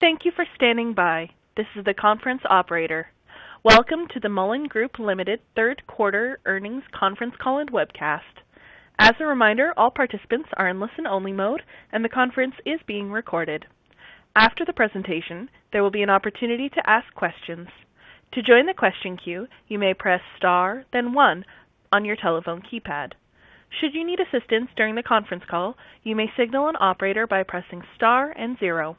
Thank you for standing by. This is the conference operator. Welcome to the Mullen Group Ltd. Third Quarter Earnings Conference Call and Webcast. As a reminder, all participants are in listen-only mode, and the conference is being recorded. After the presentation, there will be an opportunity to ask questions. To join the question queue, you may press Star, then one on your telephone keypad. Should you need assistance during the conference call, you may signal an operator by pressing Star and zero.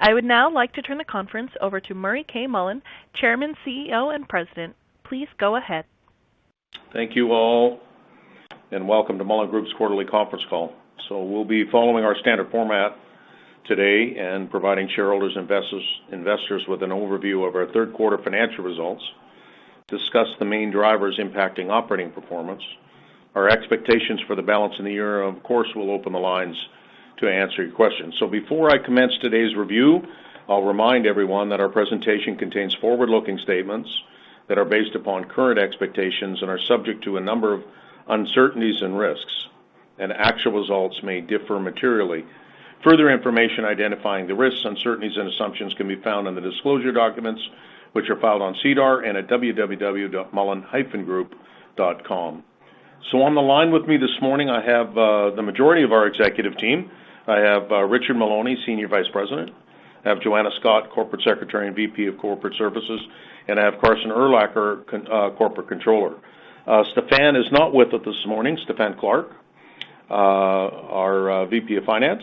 I would now like to turn the conference over to Murray K. Mullen, Chairman, CEO, and President. Please go ahead. Thank you all, and welcome to Mullen Group's quarterly conference call. We'll be following our standard format today and providing shareholders, investors with an overview of our third quarter financial results, discuss the main drivers impacting operating performance, our expectations for the balance in the year, and of course, we'll open the lines to answer your questions. Before I commence today's review, I'll remind everyone that our presentation contains forward-looking statements that are based upon current expectations and are subject to a number of uncertainties and risks, and actual results may differ materially. Further information identifying the risks, uncertainties, and assumptions can be found in the disclosure documents, which are filed on SEDAR and at www.mullen-group.com. On the line with me this morning, I have the majority of our executive team. I have Richard Maloney, Senior Vice President. I have Joanna Scott, Corporate Secretary and VP of Corporate Services, and I have Carson Urlacher, Corporate Controller. Stephen is not with us this morning. Stephen Clark, our VP of Finance.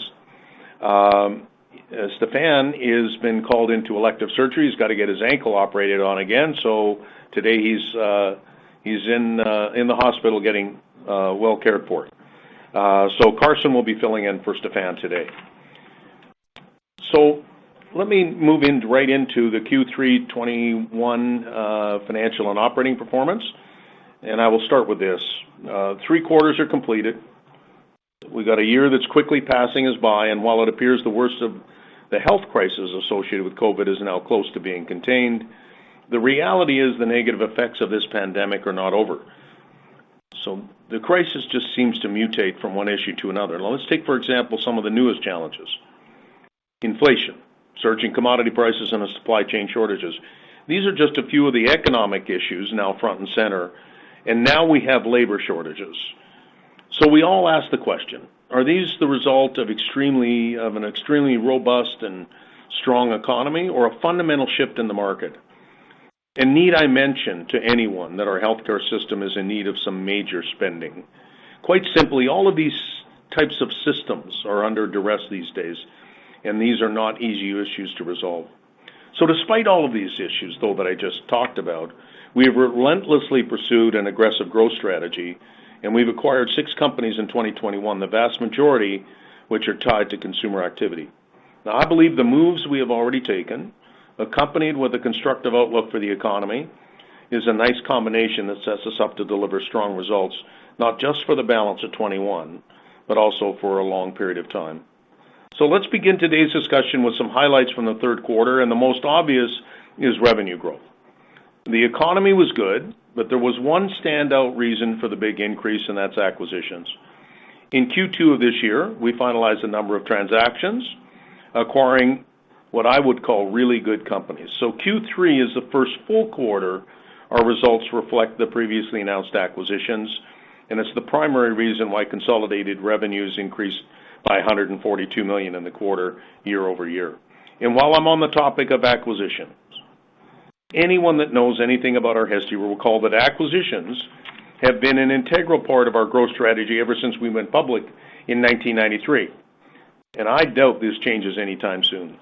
Stephen has been called into elective surgery. He's gotta get his ankle operated on again. Today he's in the hospital getting well cared for. Carson will be filling in for Stephen today. Let me move right into the Q3 2021 financial and operating performance, and I will start with this. Three quarters are completed. We've got a year that's quickly passing us by, and while it appears the worst of the health crisis associated with COVID is now close to being contained, the reality is the negative effects of this pandemic are not over. The crisis just seems to mutate from one issue to another. Now let's take, for example, some of the newest challenges. Inflation, surging commodity prices, and the supply chain shortages. These are just a few of the economic issues now front and center, and now we have labor shortages. We all ask the question, are these the result of an extremely robust and strong economy or a fundamental shift in the market? Need I mention to anyone that our healthcare system is in need of some major spending. Quite simply, all of these types of systems are under duress these days, and these are not easy issues to resolve. Despite all of these issues, though, that I just talked about, we have relentlessly pursued an aggressive growth strategy, and we've acquired 6 companies in 2021, the vast majority which are tied to consumer activity. Now, I believe the moves we have already taken, accompanied with a constructive outlook for the economy, is a nice combination that sets us up to deliver strong results, not just for the balance of 2021, but also for a long period of time. Let's begin today's discussion with some highlights from the third quarter, and the most obvious is revenue growth. The economy was good, but there was one standout reason for the big increase, and that's acquisitions. In Q2 of this year, we finalized a number of transactions acquiring what I would call really good companies. Q3 is the first full quarter our results reflect the previously announced acquisitions, and it's the primary reason why consolidated revenues increased by 142 million in the quarter year-over-year. While I'm on the topic of acquisitions, anyone that knows anything about our history will recall that acquisitions have been an integral part of our growth strategy ever since we went public in 1993, and I doubt this changes anytime soon.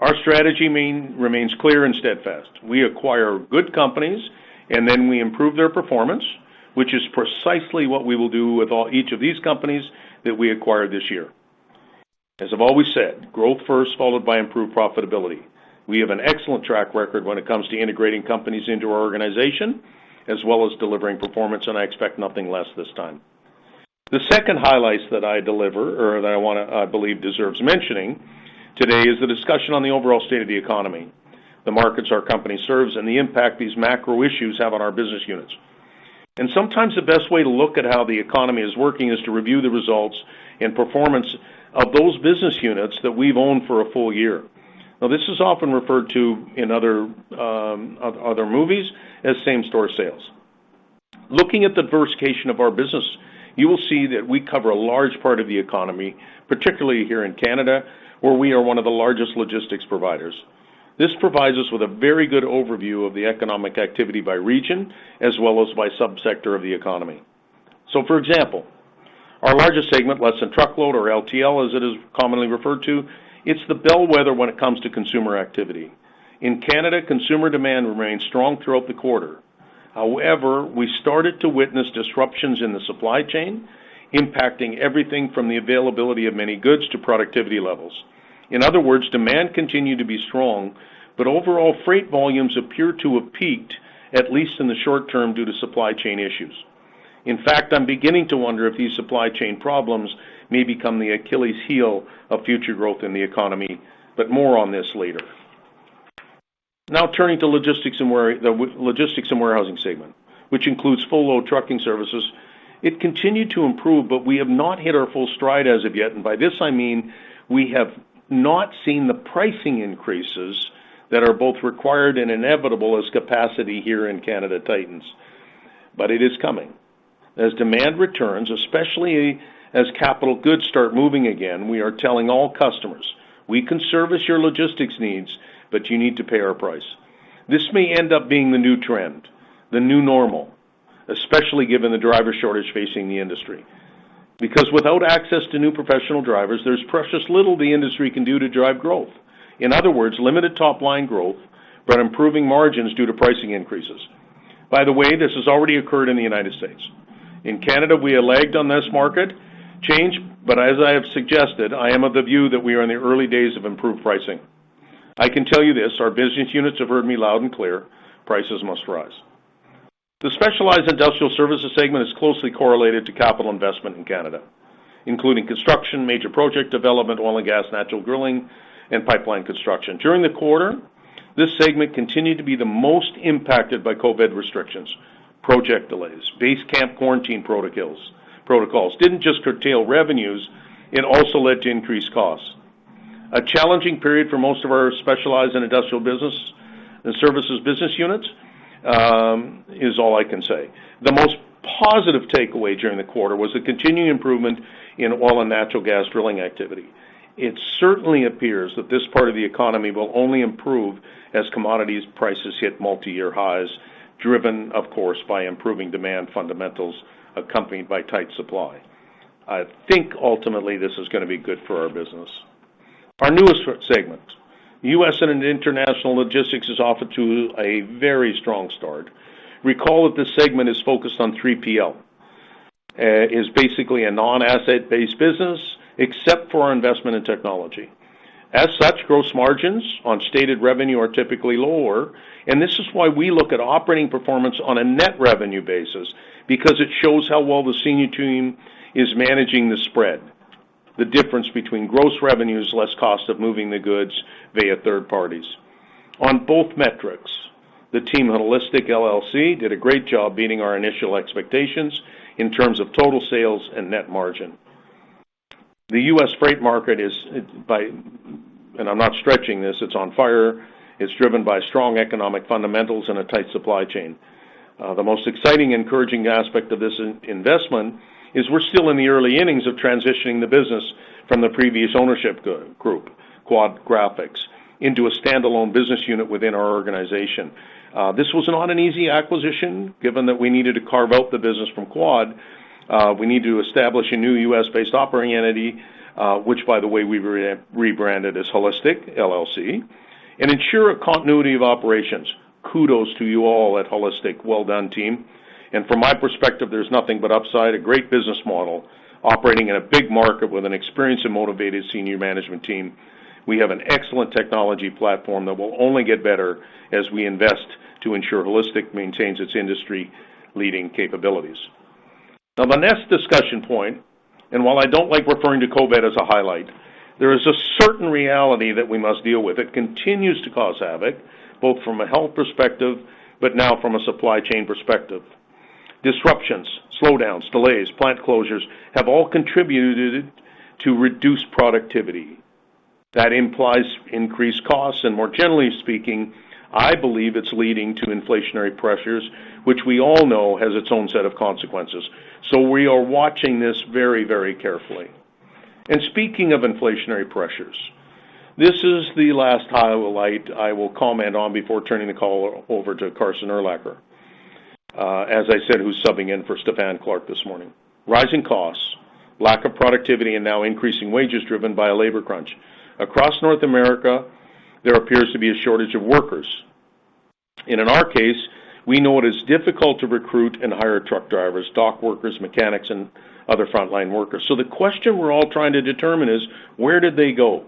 Our strategy remains clear and steadfast. We acquire good companies, and then we improve their performance, which is precisely what we will do with each of these companies that we acquire this year. As I've always said, growth first, followed by improved profitability. We have an excellent track record when it comes to integrating companies into our organization, as well as delivering performance, and I expect nothing less this time. The second highlight that I believe deserves mentioning today is the discussion on the overall state of the economy, the markets our company serves, and the impact these macro issues have on our business units. Sometimes the best way to look at how the economy is working is to review the results and performance of those business units that we've owned for a full year. Now, this is often referred to in other industries as same-store sales. Looking at the diversification of our business, you will see that we cover a large part of the economy, particularly here in Canada, where we are one of the largest logistics providers. This provides us with a very good overview of the economic activity by region as well as by sub-sector of the economy. For example, our largest segment, less than truckload or LTL as it is commonly referred to, it's the bellwether when it comes to consumer activity. In Canada, consumer demand remained strong throughout the quarter. However, we started to witness disruptions in the supply chain impacting everything from the availability of many goods to productivity levels. In other words, demand continued to be strong, but overall freight volumes appear to have peaked, at least in the short term, due to supply chain issues. In fact, I'm beginning to wonder if these supply chain problems may become the Achilles heel of future growth in the economy, but more on this later. Now turning to the logistics and warehousing segment, which includes full load trucking services. It continued to improve, but we have not hit our full stride as of yet, and by this I mean we have not seen the pricing increases that are both required and inevitable as capacity here in Canada tightens, but it is coming. As demand returns, especially as capital goods start moving again, we are telling all customers, "We can service your logistics needs, but you need to pay our price." This may end up being the new trend, the new normal, especially given the driver shortage facing the industry. Because without access to new professional drivers, there's precious little the industry can do to drive growth. In other words, limited top-line growth, but improving margins due to pricing increases. By the way, this has already occurred in the United States. In Canada, we have lagged on this market change, but as I have suggested, I am of the view that we are in the early days of improved pricing. I can tell you this, our business units have heard me loud and clear, prices must rise. The Specialized & Industrial Services segment is closely correlated to capital investment in Canada, including construction, major project development, oil and gas, natural gas drilling, and pipeline construction. During the quarter, this segment continued to be the most impacted by COVID restrictions. Project delays, base camp quarantine protocols didn't just curtail revenues, it also led to increased costs. A challenging period for most of our Specialized & Industrial Services business units is all I can say. The most positive takeaway during the quarter was the continuing improvement in oil and natural gas drilling activity. It certainly appears that this part of the economy will only improve as commodities prices hit multiyear highs, driven, of course, by improving demand fundamentals accompanied by tight supply. I think ultimately this is gonna be good for our business. Our newest segment, U.S. and International Logistics, is off to a very strong start. Recall that this segment is focused on 3PL. It is basically a non-asset-based business, except for our investment in technology. As such, gross margins on stated revenue are typically lower, and this is why we look at operating performance on a net revenue basis because it shows how well the senior team is managing the spread, the difference between gross revenues less cost of moving the goods via third parties. On both metrics, the team at HAUListic LLC did a great job beating our initial expectations in terms of total sales and net margin. The U.S. freight market is by, and I'm not stretching this, it's on fire. It's driven by strong economic fundamentals and a tight supply chain. The most exciting, encouraging aspect of this investment is we're still in the early innings of transitioning the business from the previous ownership group, Quad/Graphics, into a standalone business unit within our organization. This was not an easy acquisition, given that we needed to carve out the business from Quad. We need to establish a new U.S.-based operating entity, which by the way we rebranded as HAUListic LLC, and ensure a continuity of operations. Kudos to you all at HAUListic. Well done, team. From my perspective, there's nothing but upside, a great business model operating in a big market with an experienced and motivated senior management team. We have an excellent technology platform that will only get better as we invest to ensure HAUListic maintains its industry-leading capabilities. Now the next discussion point, and while I don't like referring to COVID as a highlight, there is a certain reality that we must deal with. It continues to cause havoc, both from a health perspective, but now from a supply chain perspective. Disruptions, slowdowns, delays, plant closures have all contributed to reduced productivity. That implies increased costs, and more generally speaking, I believe it's leading to inflationary pressures, which we all know has its own set of consequences. We are watching this very, very carefully. Speaking of inflationary pressures, this is the last highlight I will comment on before turning the call over to Carson Urlacher, as I said, who's subbing in for Stephen Clark this morning. Rising costs, lack of productivity, and now increasing wages driven by a labor crunch. Across North America, there appears to be a shortage of workers. In our case, we know it is difficult to recruit and hire truck drivers, dock workers, mechanics, and other frontline workers. The question we're all trying to determine is, where did they go?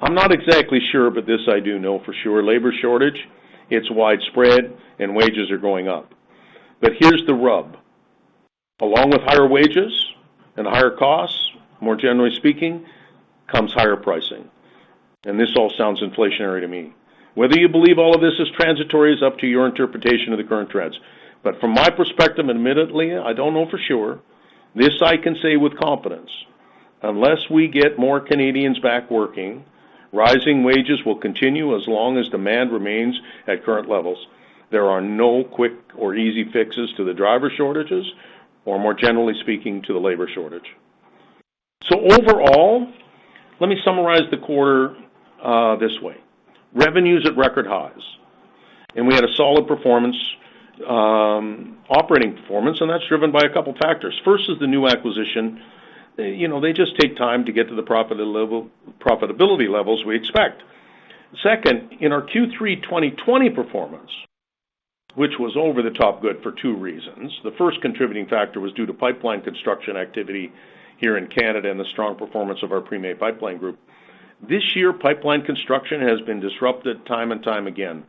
I'm not exactly sure, but this I do know for sure. Labor shortage, it's widespread, and wages are going up. Here's the rub. Along with higher wages and higher costs, more generally speaking, comes higher pricing. This all sounds inflationary to me. Whether you believe all of this is transitory is up to your interpretation of the current trends. From my perspective, admittedly, I don't know for sure, this I can say with confidence. Unless we get more Canadians back working, rising wages will continue as long as demand remains at current levels. There are no quick or easy fixes to the driver shortages, or more generally speaking, to the labor shortage. Overall, let me summarize the quarter, this way. Revenue's at record highs, and we had a solid performance, operating performance, and that's driven by a couple factors. First is the new acquisition. You know, they just take time to get to the profitability levels we expect. Second, in our Q3 2020 performance, which was over the top good for two reasons. The first contributing factor was due to pipeline construction activity here in Canada and the strong performance of our Premay Pipeline group. This year, pipeline construction has been disrupted time and time again.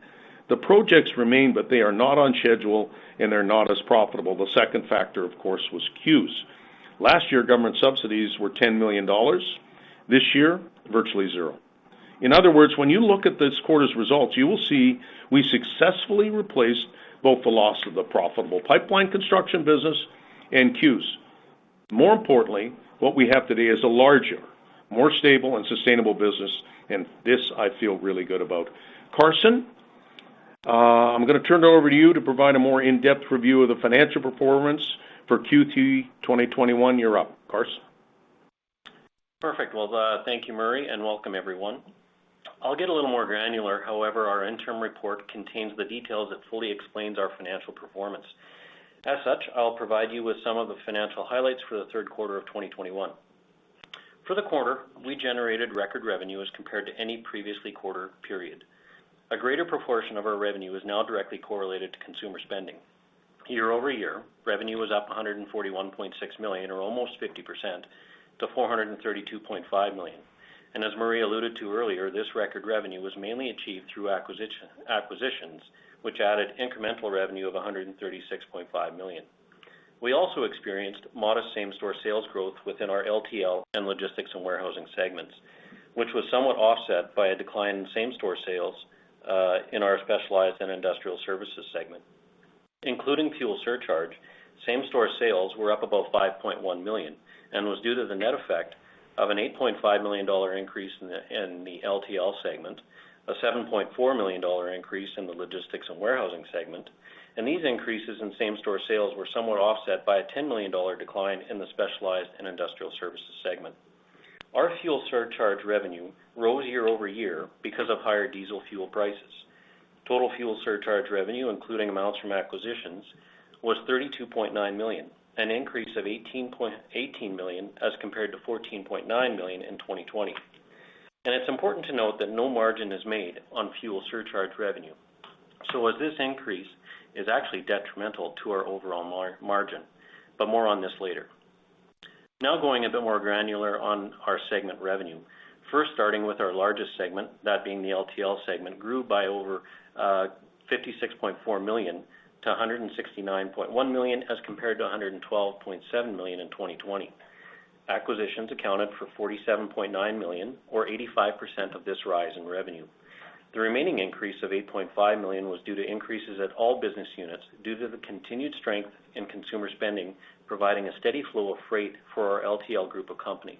The projects remain, but they are not on schedule, and they're not as profitable. The second factor, of course, was CEWS. Last year, government subsidies were 10 million dollars. This year, virtually zero. In other words, when you look at this quarter's results, you will see we successfully replaced both the loss of the profitable pipeline construction business and CEWS. More importantly, what we have today is a larger, more stable, and sustainable business, and this I feel really good about. Carson, I'm gonna turn it over to you to provide a more in-depth review of the financial performance for Q3 2021. You're up, Carson. Perfect. Well, thank you, Murray, and welcome everyone. I'll get a little more granular. However, our interim report contains the details that fully explains our financial performance. As such, I'll provide you with some of the financial highlights for the third quarter of 2021. For the quarter, we generated record revenue as compared to any previous quarter period. A greater proportion of our revenue is now directly correlated to consumer spending. Year-over-year, revenue was up 141.6 million, or almost 50% to 432.5 million. As Murray alluded to earlier, this record revenue was mainly achieved through acquisitions, which added incremental revenue of 136.5 million. We also experienced modest same-store sales growth within our LTL and logistics and warehousing segments, which was somewhat offset by a decline in same-store sales in our Specialized & Industrial Services segment. Including fuel surcharge, same-store sales were up about 5.1 million, and was due to the net effect of an 8.5 million dollar increase in the LTL segment, a 7.4 million dollar increase in the logistics and warehousing segment. These increases in same-store sales were somewhat offset by a 10 million dollar decline in the Specialized & Industrial Services segment. Our fuel surcharge revenue rose year-over-year because of higher diesel fuel prices. Total fuel surcharge revenue, including amounts from acquisitions, was 32.9 million, an increase of 18 million as compared to 14.9 million in 2020. It's important to note that no margin is made on fuel surcharge revenue. As this increase is actually detrimental to our overall margin, but more on this later. Now going a bit more granular on our segment revenue. First, starting with our largest segment, that being the LTL segment, grew by over 56.4 million to 169.1 million as compared to 112.7 million in 2020. Acquisitions accounted for 47.9 million or 85% of this rise in revenue. The remaining increase of 8.5 million was due to increases at all business units due to the continued strength in consumer spending, providing a steady flow of freight for our LTL group of companies.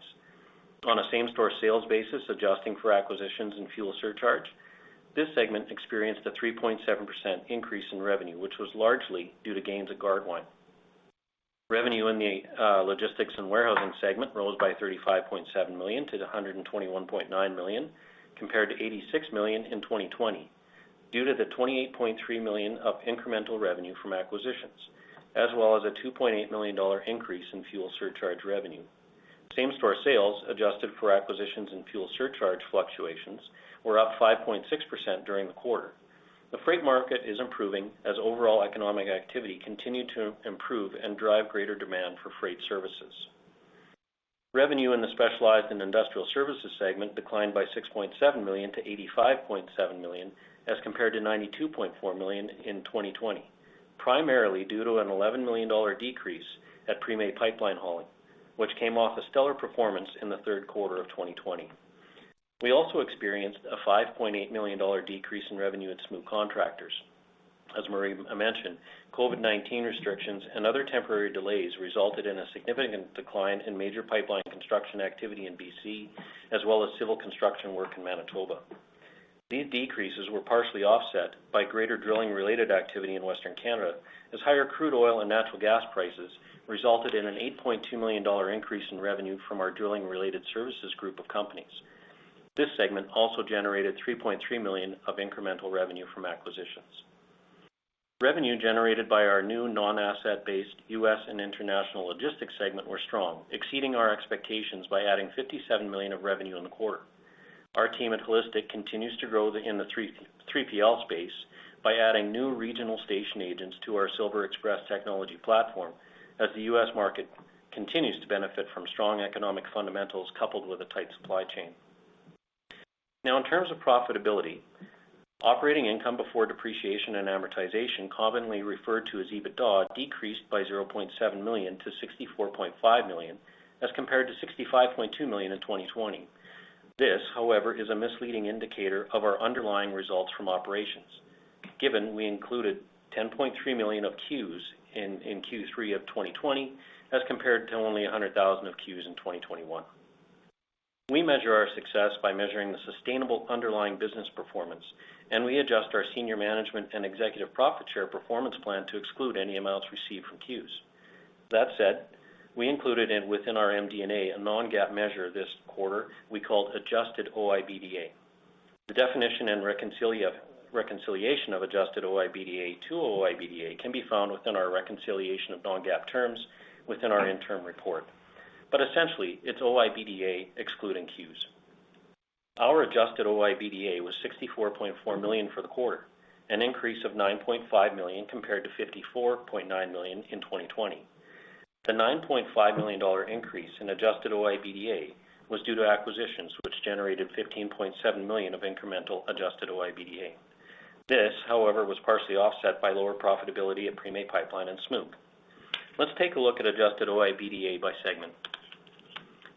On a same-store sales basis, adjusting for acquisitions and fuel surcharge, this segment experienced a 3.7% increase in revenue, which was largely due to gains at Gardewine. Revenue in the logistics and warehousing segment rose by 35.7 million to 121.9 million, compared to 86 million in 2020 due to the 28.3 million of incremental revenue from acquisitions, as well as a 2.8 million dollar increase in fuel surcharge revenue. Same-store sales, adjusted for acquisitions and fuel surcharge fluctuations, were up 5.6% during the quarter. The freight market is improving as overall economic activity continue to improve and drive greater demand for freight services. Revenue in the Specialized & Industrial Services segment declined by 6.7 million to 85.7 million, as compared to 92.4 million in 2020, primarily due to an 11 million dollar decrease at Premay Pipeline Hauling, which came off a stellar performance in the third quarter of 2020. We also experienced a 5.8 million dollar decrease in revenue at Smook Contractors. As Murray mentioned, COVID-19 restrictions and other temporary delays resulted in a significant decline in major pipeline construction activity in B.C., as well as civil construction work in Manitoba. These decreases were partially offset by greater drilling-related activity in Western Canada, as higher crude oil and natural gas prices resulted in a 8.2 million dollar increase in revenue from our drilling-related services group of companies. This segment also generated 3.3 million of incremental revenue from acquisitions. Revenue generated by our new non-asset-based U.S. and International Logistics segment were strong, exceeding our expectations by adding 57 million of revenue in the quarter. Our team at HAUListic continues to grow in the 3PL space by adding new regional station agents to our SilverExpress technology platform as the U.S. market continues to benefit from strong economic fundamentals coupled with a tight supply chain. Now in terms of profitability, operating income before depreciation and amortization, commonly referred to as EBITDA, decreased by 0.7 million to 64.5 million, as compared to 65.2 million in 2020. This, however, is a misleading indicator of our underlying results from operations, given we included 10.3 million of CEWS in Q3 2020 as compared to only 100,000 of CEWS in Q3 2021. We measure our success by measuring the sustainable underlying business performance, and we adjust our senior management and executive profit share performance plan to exclude any amounts received from CEWS. That said, we included it within our MD&A a non-GAAP measure this quarter we call Adjusted OIBDA. The definition and reconciliation of Adjusted OIBDA to OIBDA can be found within our reconciliation of non-GAAP terms within our interim report. Essentially, it's OIBDA excluding CEWS. Our Adjusted OIBDA was 64.4 million for the quarter, an increase of 9.5 million compared to 54.9 million in 2020. The 9.5 million dollar increase in Adjusted OIBDA was due to acquisitions, which generated 15.7 million of incremental Adjusted OIBDA. This, however, was partially offset by lower profitability at Premay Pipeline and Smook. Let's take a look at Adjusted OIBDA by segment.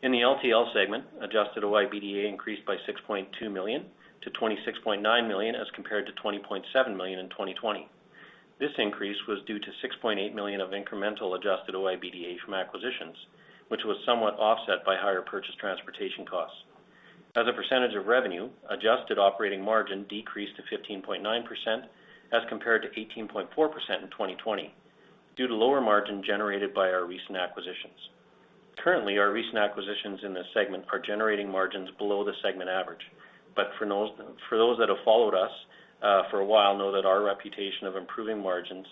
In the LTL segment, Adjusted OIBDA increased by 6.2 million to 26.9 million as compared to 20.7 million in 2020. This increase was due to 6.8 million of incremental Adjusted OIBDA from acquisitions, which was somewhat offset by higher purchased transportation costs. As a percentage of revenue, Adjusted operating margin decreased to 15.9% as compared to 18.4% in 2020 due to lower margin generated by our recent acquisitions. Currently, our recent acquisitions in this segment are generating margins below the segment average. For those that have followed us for a while know that our reputation of improving margins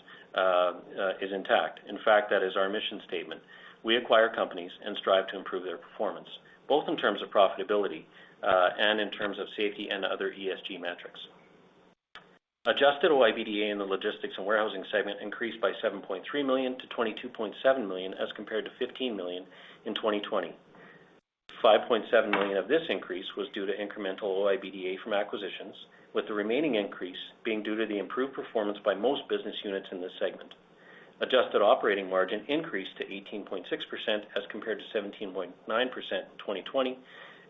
is intact. In fact, that is our mission statement. We acquire companies and strive to improve their performance, both in terms of profitability and in terms of safety and other ESG metrics. Adjusted OIBDA in the Logistics & Warehousing segment increased by 7.3 million to 22.7 million as compared to 15 million in 2020. 5.7 million of this increase was due to incremental OIBDA from acquisitions, with the remaining increase being due to the improved performance by most business units in this segment. Adjusted operating margin increased to 18.6% as compared to 17.9% in 2020,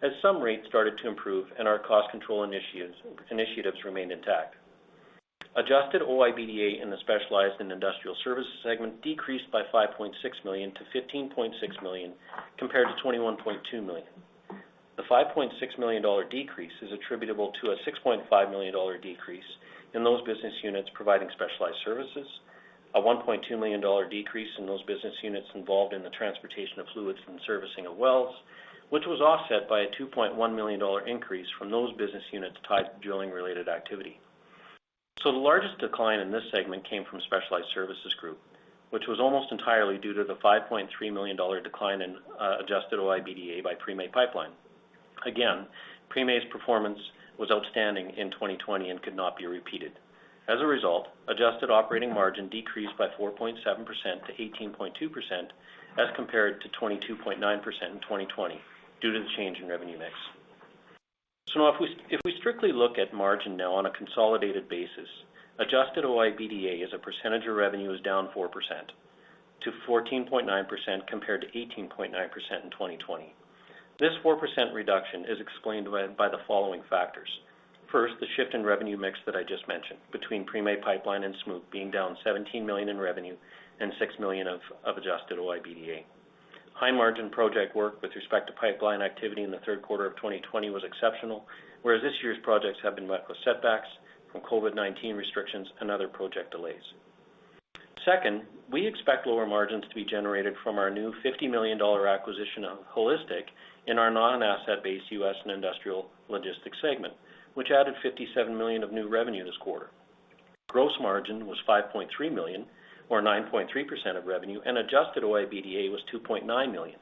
as some rates started to improve and our cost control initiatives remained intact. Adjusted OIBDA in the Specialized & Industrial Services segment decreased by 5.6 million to 15.6 million compared to 21.2 million. The 5.6 million dollar decrease is attributable to a 6.5 million dollar decrease in those business units providing specialized services. A 1.2 million dollar decrease in those business units involved in the transportation of fluids and servicing of wells, which was offset by a 2.1 million dollar increase from those business units tied to drilling-related activity. The largest decline in this segment came from Specialized & Industrial Services, which was almost entirely due to the 5.3 million dollar decline in adjusted OIBDA by Premay Pipeline. Again, Premay's performance was outstanding in 2020 and could not be repeated. As a result, adjusted operating margin decreased by 4.7% to 18.2% as compared to 22.9% in 2020 due to the change in revenue mix. Now if we strictly look at margin on a consolidated basis, adjusted OIBDA as a percentage of revenue is down 4% to 14.9% compared to 18.9% in 2020. This 4% reduction is explained by the following factors. First, the shift in revenue mix that I just mentioned between Premay Pipeline and Smook being down 17 million in revenue and 6 million of adjusted OIBDA. High margin project work with respect to pipeline activity in the third quarter of 2020 was exceptional, whereas this year's projects have been met with setbacks from COVID-19 restrictions and other project delays. Second, we expect lower margins to be generated from our new $50 million acquisition of HAUListic in our non-asset-based U.S. and International Logistics segment, which added $57 million of new revenue this quarter. Gross margin was 5.3 million, or 9.3% of revenue, and adjusted OIBDA was 2.9 million,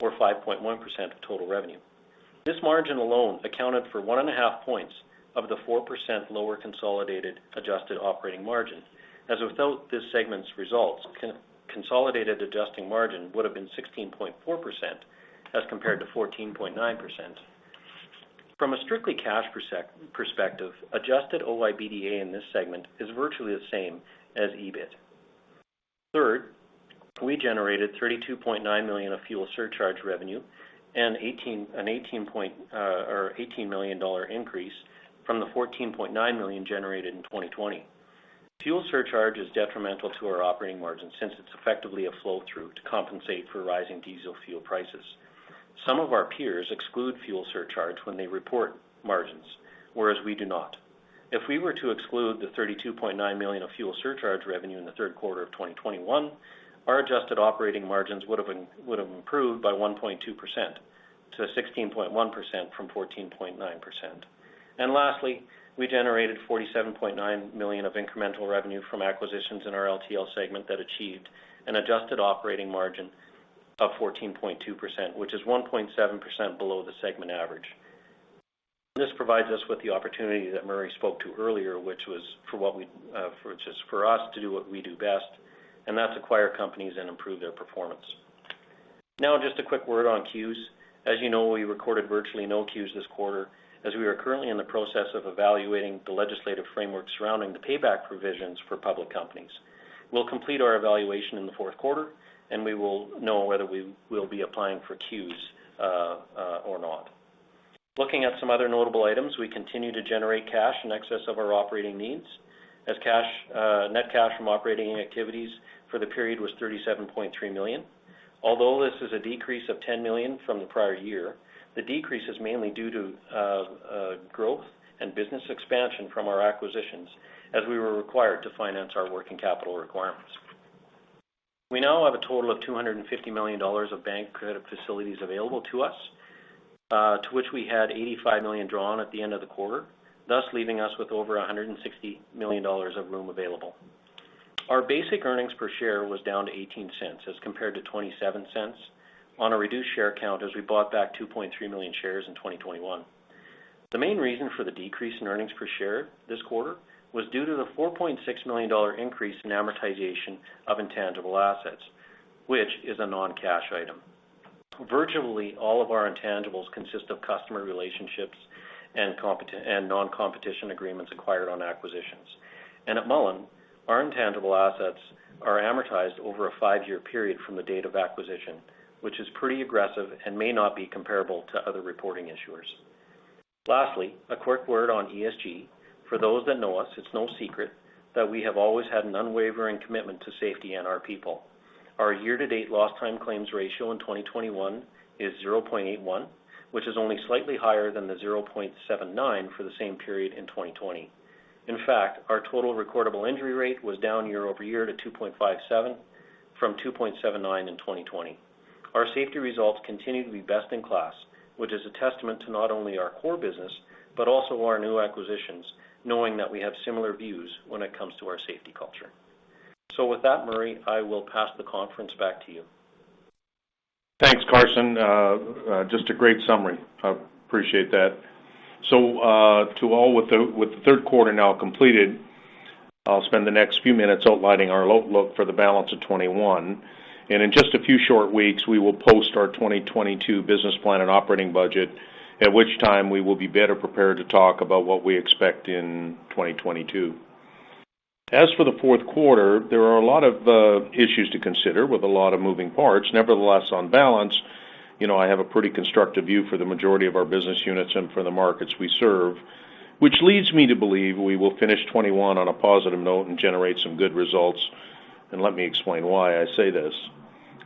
or 5.1% of total revenue. This margin alone accounted for one and a half points of the 4% lower consolidated adjusted operating margin, as without this segment's results, consolidated adjusted margin would have been 16.4% as compared to 14.9%. From a strictly cash perspective, adjusted OIBDA in this segment is virtually the same as EBIT. Third, we generated 32.9 million of fuel surcharge revenue and an eighteen million dollar increase from the 14.9 million generated in 2020. Fuel surcharge is detrimental to our operating margin since it's effectively a flow-through to compensate for rising diesel fuel prices. Some of our peers exclude fuel surcharge when they report margins, whereas we do not. If we were to exclude the 32.9 million of fuel surcharge revenue in Q3 2021, our adjusted operating margins would have improved by 1.2% to 16.1% from 14.9%. Lastly, we generated 47.9 million of incremental revenue from acquisitions in our LTL segment that achieved an adjusted operating margin of 14.2%, which is 1.7% below the segment average. This provides us with the opportunity that Murray spoke to earlier, which was for what we, which is for us to do what we do best, and that's acquire companies and improve their performance. Now just a quick word on CEWS. As you know, we recorded virtually no CEWS this quarter, as we are currently in the process of evaluating the legislative framework surrounding the payback provisions for public companies. We'll complete our evaluation in the fourth quarter, and we will know whether we will be applying for CEWS or not. Looking at some other notable items, we continue to generate cash in excess of our operating needs, as net cash from operating activities for the period was 37.3 million. Although this is a decrease of 10 million from the prior year, the decrease is mainly due to growth and business expansion from our acquisitions as we were required to finance our working capital requirements. We now have a total of 250 million dollars of bank credit facilities available to us, to which we had 85 million drawn at the end of the quarter, thus leaving us with over 160 million dollars of room available. Our basic earnings per share was down to 0.18 as compared to 0.27 on a reduced share count as we bought back 2.3 million shares in 2021. The main reason for the decrease in earnings per share this quarter was due to the 4.6 million dollar increase in amortization of intangible assets, which is a non-cash item. Virtually all of our intangibles consist of customer relationships and non-competition agreements acquired on acquisitions. At Mullen, our intangible assets are amortized over a 5-year period from the date of acquisition, which is pretty aggressive and may not be comparable to other reporting issuers. Lastly, a quick word on ESG. For those that know us, it's no secret that we have always had an unwavering commitment to safety and our people. Our year-to-date lost time claims ratio in 2021 is 0.81, which is only slightly higher than the 0.79 for the same period in 2020. In fact, our total recordable injury rate was down year-over-year to 2.57 from 2.79 in 2020. Our safety results continue to be best in class, which is a testament to not only our core business, but also our new acquisitions, knowing that we have similar views when it comes to our safety culture. With that, Murray, I will pass the conference back to you. Thanks, Carson. Just a great summary. I appreciate that. To all with the third quarter now completed, I'll spend the next few minutes outlining our look for the balance of 2021. In just a few short weeks, we will post our 2022 business plan and operating budget, at which time we will be better prepared to talk about what we expect in 2022. As for the fourth quarter, there are a lot of issues to consider with a lot of moving parts. Nevertheless, on balance, you know, I have a pretty constructive view for the majority of our business units and for the markets we serve, which leads me to believe we will finish 2021 on a positive note and generate some good results. Let me explain why I say this.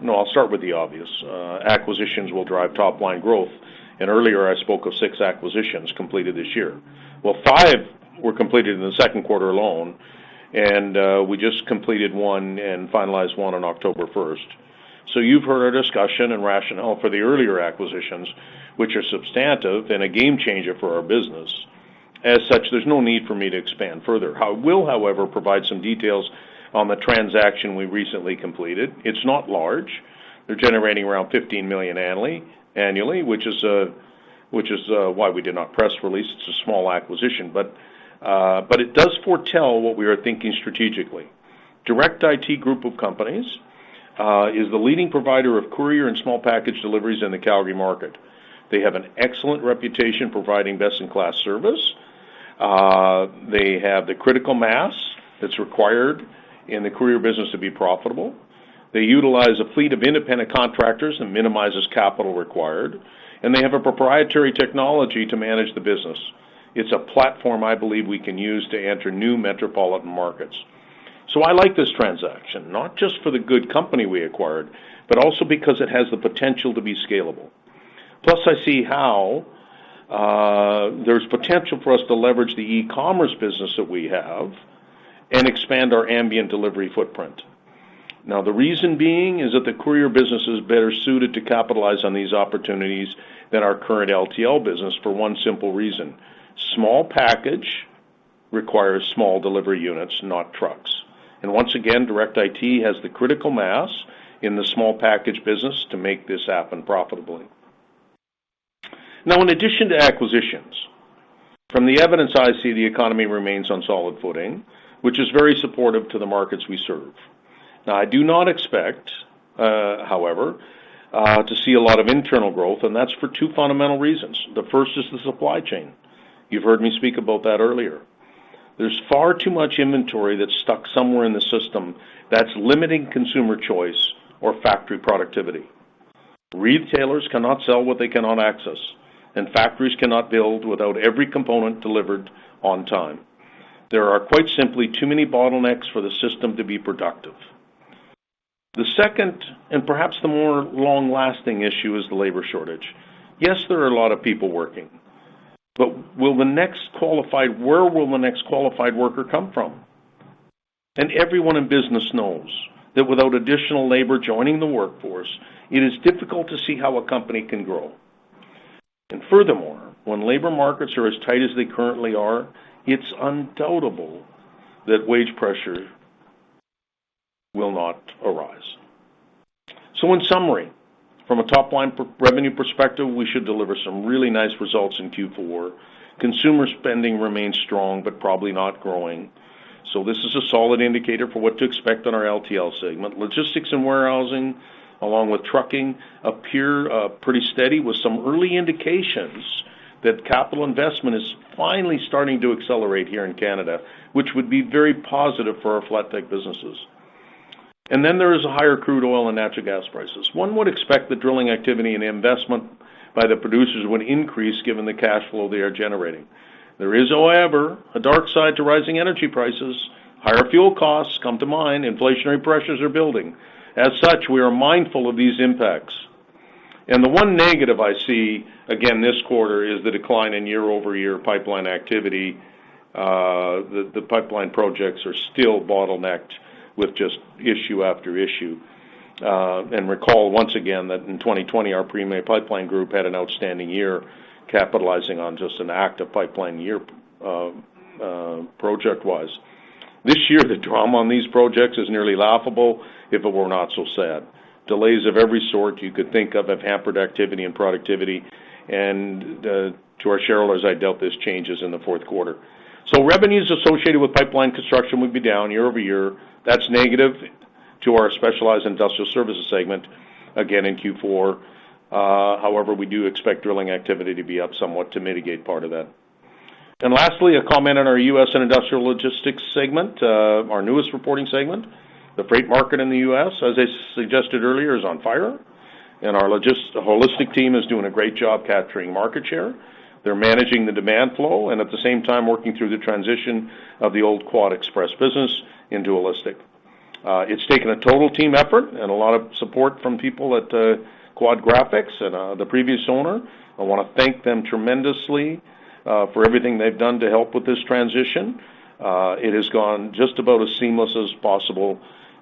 No, I'll start with the obvious. Acquisitions will drive top line growth. Earlier, I spoke of six acquisitions completed this year. Five were completed in the second quarter alone, and we just completed one and finalized one on October 1. You've heard our discussion and rationale for the earlier acquisitions, which are substantive and a game changer for our business. As such, there's no need for me to expand further. I will, however, provide some details on the transaction we recently completed. It's not large. They're generating around 15 million annually, which is why we did not press release. It's a small acquisition. But it does foretell what we are thinking strategically. Direct IT Group is the leading provider of courier and small package deliveries in the Calgary market. They have an excellent reputation providing best-in-class service. They have the critical mass that's required in the courier business to be profitable. They utilize a fleet of independent contractors that minimizes capital required, and they have a proprietary technology to manage the business. It's a platform I believe we can use to enter new metropolitan markets. I like this transaction, not just for the good company we acquired, but also because it has the potential to be scalable. Plus, I see how, there's potential for us to leverage the e-commerce business that we have and expand our ambient delivery footprint. The reason being is that the courier business is better suited to capitalize on these opportunities than our current LTL business for one simple reason. Small package requires small delivery units, not trucks. Once again, Direct IT has the critical mass in the small package business to make this happen profitably. Now in addition to acquisitions, from the evidence I see, the economy remains on solid footing, which is very supportive to the markets we serve. Now I do not expect, however, to see a lot of internal growth, and that's for two fundamental reasons. The first is the supply chain. You've heard me speak about that earlier. There's far too much inventory that's stuck somewhere in the system that's limiting consumer choice or factory productivity. Retailers cannot sell what they cannot access, and factories cannot build without every component delivered on time. There are quite simply too many bottlenecks for the system to be productive. The second, and perhaps the more long-lasting issue, is the labor shortage. Yes, there are a lot of people working, but will the next qualified worker come from? Everyone in business knows that without additional labor joining the workforce, it is difficult to see how a company can grow. Furthermore, when labor markets are as tight as they currently are, it's undeniable that wage pressure will arise. In summary, from a top-line revenue perspective, we should deliver some really nice results in Q4. Consumer spending remains strong, but probably not growing. This is a solid indicator for what to expect on our LTL segment. Logistics and warehousing, along with trucking, appear pretty steady with some early indications that capital investment is finally starting to accelerate here in Canada, which would be very positive for our flat deck businesses. Then there is higher crude oil and natural gas prices. One would expect the drilling activity and investment by the producers would increase given the cash flow they are generating. There is, however, a dark side to rising energy prices. Higher fuel costs come to mind. Inflationary pressures are building. As such, we are mindful of these impacts. The one negative I see, again, this quarter is the decline in year-over-year pipeline activity. The pipeline projects are still bottlenecked with just issue after issue. Recall once again that in 2020, our Premay Pipeline group had an outstanding year capitalizing on just an active pipeline year, project-wise. This year, the drama on these projects is nearly laughable if it were not so sad. Delays of every sort you could think of have hampered activity and productivity. To our shareholders, I doubt this changes in the fourth quarter. Revenues associated with pipeline construction would be down year-over-year. That's negative to our Specialized & Industrial Services segment again in Q4. However, we do expect drilling activity to be up somewhat to mitigate part of that. Lastly, a comment on our U.S. and International Logistics segment, our newest reporting segment. The freight market in the U.S., as I suggested earlier, is on fire, and our HAUListic team is doing a great job capturing market share. They're managing the demand flow and at the same time working through the transition of the old QuadExpress business into HAUListic. It's taken a total team effort and a lot of support from people at Quad/Graphics and the previous owner. I wanna thank them tremendously for everything they've done to help with this transition. It has gone just about as seamless as possible,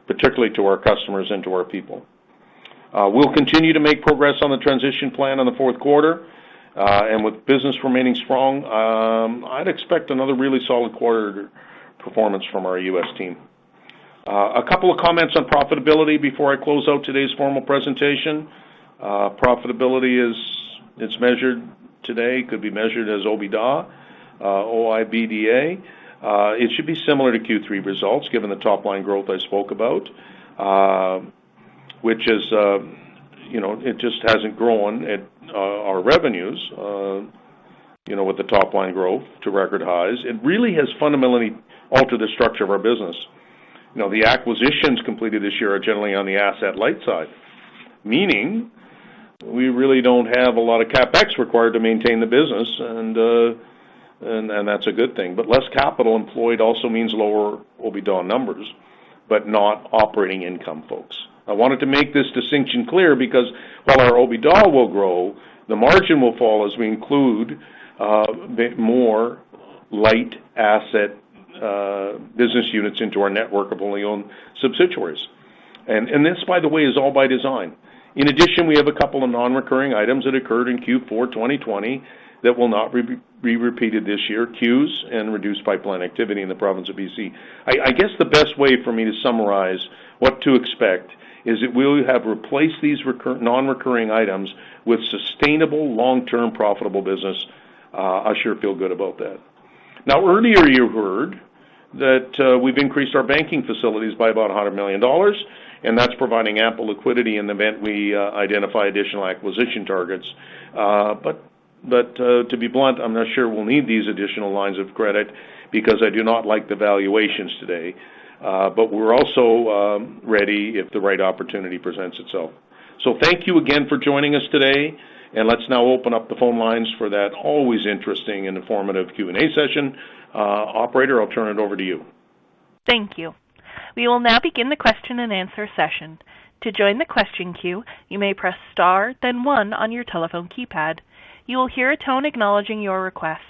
particularly to our customers and to our people. We'll continue to make progress on the transition plan in the fourth quarter. With business remaining strong, I'd expect another really solid quarter performance from our U.S. team. A couple of comments on profitability before I close out today's formal presentation. Profitability is measured today, could be measured as OIBDA, O-I-B-D-A. It should be similar to Q3 results given the top-line growth I spoke about, which is, you know, it just hasn't grown as our revenues, you know, with the top-line growth to record highs. It really has fundamentally altered the structure of our business. You know, the acquisitions completed this year are generally on the asset light side, meaning we really don't have a lot of CapEx required to maintain the business, and that's a good thing. Less capital employed also means lower OIBDA numbers, but not operating income, folks. I wanted to make this distinction clear because while our OIBDA will grow, the margin will fall as we include a bit more light asset business units into our network of wholly owned subsidiaries. This, by the way, is all by design. In addition, we have a couple of non-recurring items that occurred in Q4 2020 that will not be repeated this year, queues and reduced pipeline activity in the province of BC. I guess the best way for me to summarize what to expect is that we'll have replaced these non-recurring items with sustainable long-term profitable business. I sure feel good about that. Now, earlier you heard that we've increased our banking facilities by about 100 million dollars, and that's providing ample liquidity in the event we identify additional acquisition targets. To be blunt, I'm not sure we'll need these additional lines of credit because I do not like the valuations today. We're also ready if the right opportunity presents itself. Thank you again for joining us today, and let's now open up the phone lines for that always interesting and informative Q&A session. Operator, I'll turn it over to you. Thank you. We will now begin the question-and-answer session. To join the question queue, you may press star then one on your telephone keypad. You will hear a tone acknowledging your request.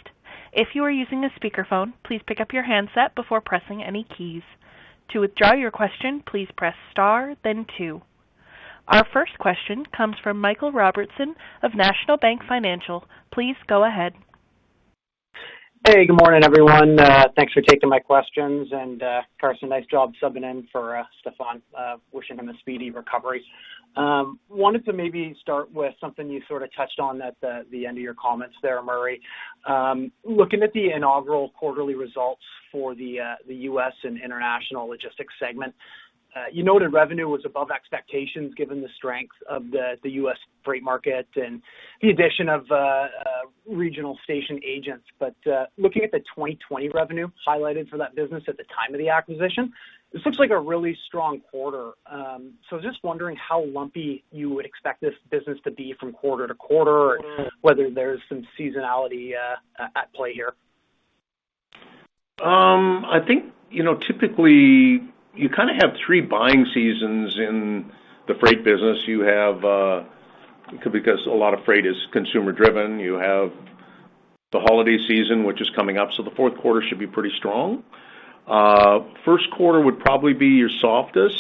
If you are using a speakerphone, please pick up your handset before pressing any keys. To withdraw your question, please press star then two. Our first question comes from Cameron Doerksen of National Bank Financial. Please go ahead. Hey, good morning, everyone. Thanks for taking my questions. Carson, nice job subbing in for Stephen. Wishing him a speedy recovery. Wanted to maybe start with something you sort of touched on at the end of your comments there, Murray. Looking at the inaugural quarterly results for the U.S. and International Logistics segment, you noted revenue was above expectations given the strength of the U.S. freight market and the addition of regional station agents. Looking at the 2020 revenue highlighted for that business at the time of the acquisition, this looks like a really strong quarter. Just wondering how lumpy you would expect this business to be from quarter to quarter, whether there's some seasonality at play here. I think, you know, typically you kinda have three buying seasons in the freight business. You have, because a lot of freight is consumer driven. You have the holiday season, which is coming up, so the fourth quarter should be pretty strong. First quarter would probably be your softest,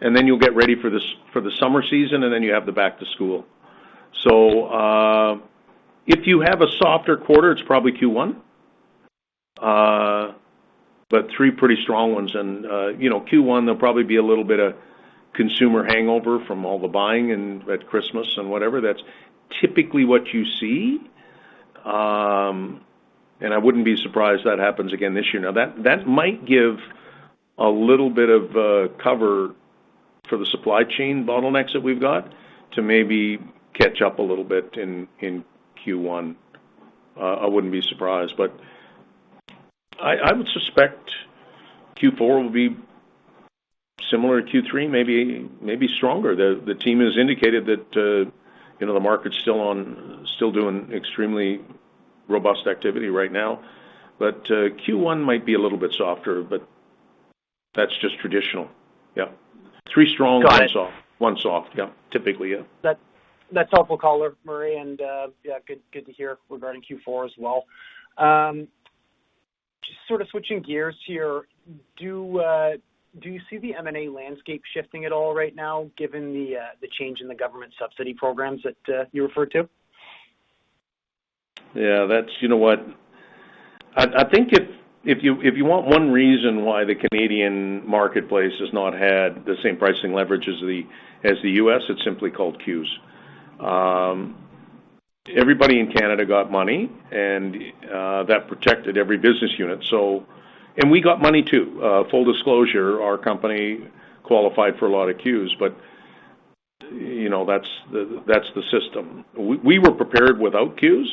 and then you'll get ready for the summer season, and then you have the back to school. If you have a softer quarter, it's probably Q1. Three pretty strong ones. You know, Q1, there'll probably be a little bit of consumer hangover from all the buying at Christmas and whatever. That's typically what you see. I wouldn't be surprised that happens again this year. Now, that might give a little bit of cover for the supply chain bottlenecks that we've got to maybe catch up a little bit in Q1. I wouldn't be surprised. I would suspect Q4 will be similar to Q3, maybe stronger. The team has indicated that, you know, the market's still doing extremely robust activity right now. Q1 might be a little bit softer, but that's just traditional. Yeah. Three strong- Got it. One soft. Yeah. Typically, yeah. That's helpful color, Murray. Yeah, good to hear regarding Q4 as well. Just sort of switching gears here. Do you see the M&A landscape shifting at all right now given the change in the government subsidy programs that you referred to? Yeah, that's. You know what? I think if you want one reason why the Canadian marketplace has not had the same pricing leverage as the U.S., it's simply called CEWS. Everybody in Canada got money, and that protected every business unit. We got money, too. Full disclosure, our company qualified for a lot of CEWS, but you know, that's the system. We were prepared without CEWS,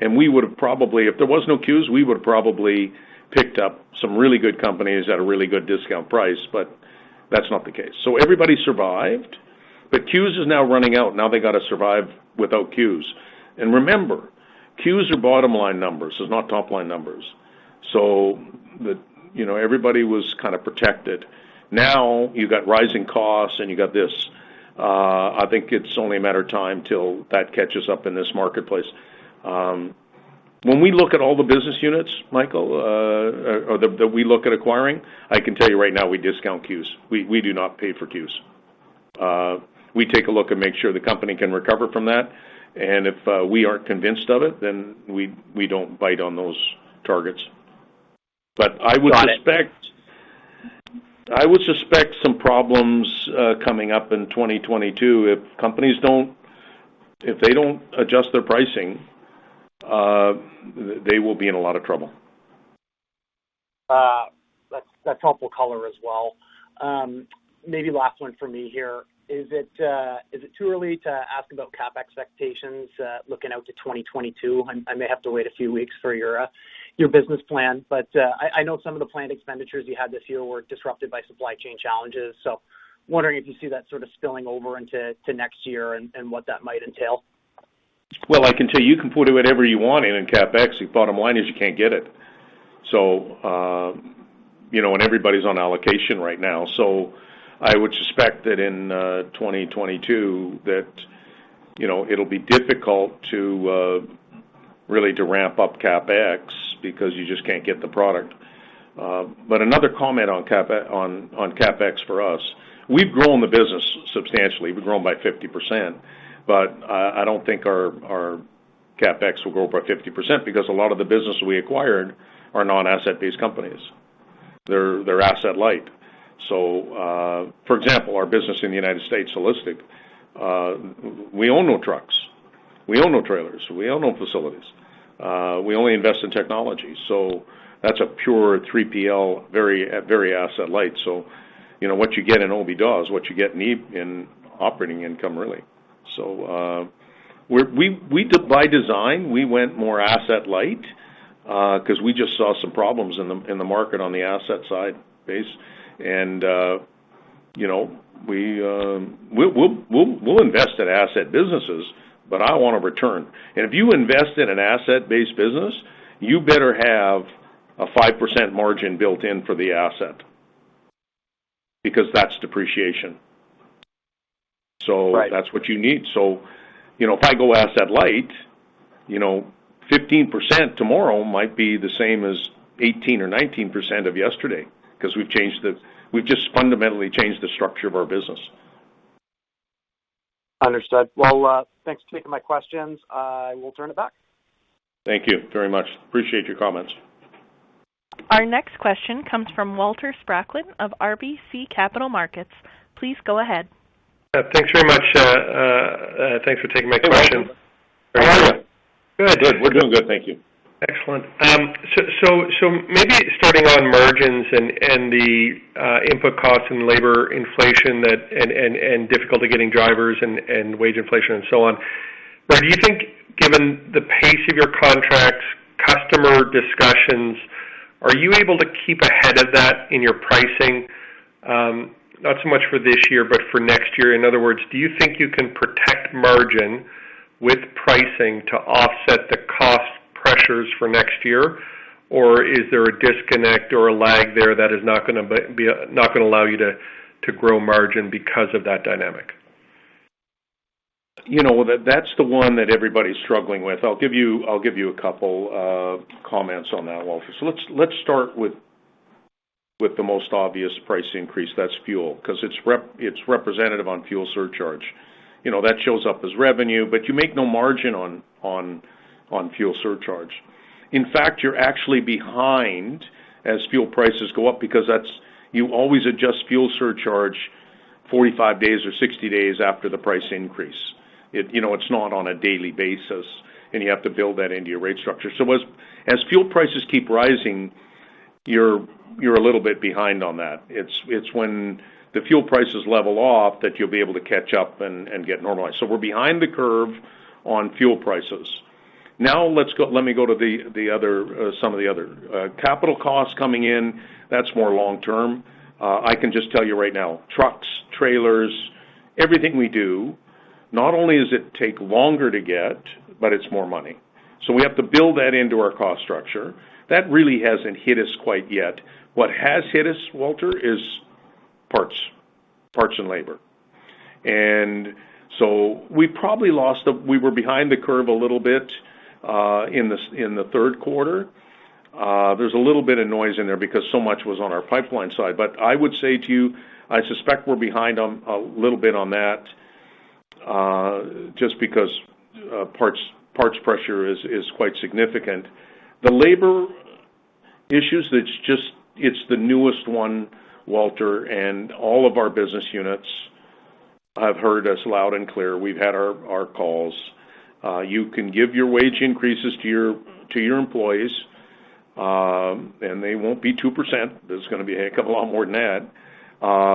and if there was no CEWS, we would have probably picked up some really good companies at a really good discount price, but that's not the case. Everybody survived, but CEWS is now running out. Now they gotta survive without CEWS. Remember, CEWS are bottom line numbers. It's not top line numbers. You know, everybody was kind of protected. Now you got rising costs, and you got this. I think it's only a matter of time till that catches up in this marketplace. When we look at all the business units, Michael, that we look at acquiring, I can tell you right now, we discount CEWS. We do not pay for CEWS. We take a look and make sure the company can recover from that, and if we aren't convinced of it, then we don't bite on those targets. I would- Got it. I would suspect some problems coming up in 2022 if companies don't adjust their pricing. They will be in a lot of trouble. That's helpful color as well. Maybe last one for me here. Is it too early to ask about CapEx expectations looking out to 2022? I may have to wait a few weeks for your business plan, but I know some of the planned expenditures you had this year were disrupted by supply chain challenges. Wondering if you see that sort of spilling over into next year and what that might entail. Well, I can tell you can put whatever you want in CapEx. The bottom line is you can't get it. You know, everybody's on allocation right now. I would suspect that in 2022, you know, it'll be difficult to ramp up CapEx because you just can't get the product. Another comment on CapEx for us. We've grown the business substantially. We've grown by 50%, but I don't think our CapEx will grow by 50% because a lot of the business we acquired are non-asset-based companies. They're asset light. For example, our business in the U.S., HAUListic, we own no trucks. We own no trailers. We own no facilities. We only invest in technology. That's a pure 3PL, very asset light. You know, what you get in OIBDA is what you get in operating income, really. By design, we went more asset light, 'cause we just saw some problems in the market on the asset side base. You know, we'll invest in asset businesses, but I want a return. If you invest in an asset-based business, you better have a 5% margin built in for the asset because that's depreciation. Right. That's what you need. You know, if I go asset light, you know, 15% tomorrow might be the same as 18% or 19% of yesterday 'cause we've just fundamentally changed the structure of our business. Understood. Well, thanks for taking my questions. I will turn it back. Thank you very much. Appreciate your comments. Our next question comes from Walter Spracklin of RBC Capital Markets. Please go ahead. Thanks very much. Thanks for taking my question. Hey, Walter. How are you? Good. Good. We're doing good. Thank you. Excellent. Maybe starting on margins and the input costs and labor inflation and difficulty getting drivers and wage inflation and so on. Brad, do you think given the pace of your contracts, customer discussions, are you able to keep ahead of that in your pricing? Not so much for this year, but for next year. In other words, do you think you can protect margin with pricing to offset the cost pressures for next year? Or is there a disconnect or a lag there that is not gonna allow you to grow margin because of that dynamic? You know, that's the one that everybody's struggling with. I'll give you a couple of comments on that, Walter. Let's start with the most obvious price increase, that's fuel, because it's representative on fuel surcharge. You know, that shows up as revenue, but you make no margin on fuel surcharge. In fact, you're actually behind as fuel prices go up because you always adjust fuel surcharge 45 days or 60 days after the price increase. You know, it's not on a daily basis, and you have to build that into your rate structure. As fuel prices keep rising, you're a little bit behind on that. It's when the fuel prices level off that you'll be able to catch up and get normalized. We're behind the curve on fuel prices. Let me go to some of the other capital costs coming in. That's more long term. I can just tell you right now, trucks, trailers, everything we do, not only does it take longer to get, but it's more money. We have to build that into our cost structure. That really hasn't hit us quite yet. What has hit us, Walter, is parts and labor. We were behind the curve a little bit in the third quarter. There's a little bit of noise in there because so much was on our pipeline side. I would say to you, I suspect we're behind a little bit on that just because parts pressure is quite significant. The labor issues, it's just the newest one, Walter, and all of our business units have heard us loud and clear. We've had our calls. You can give your wage increases to your employees, and they won't be 2%. There's gonna be a couple lots more than that,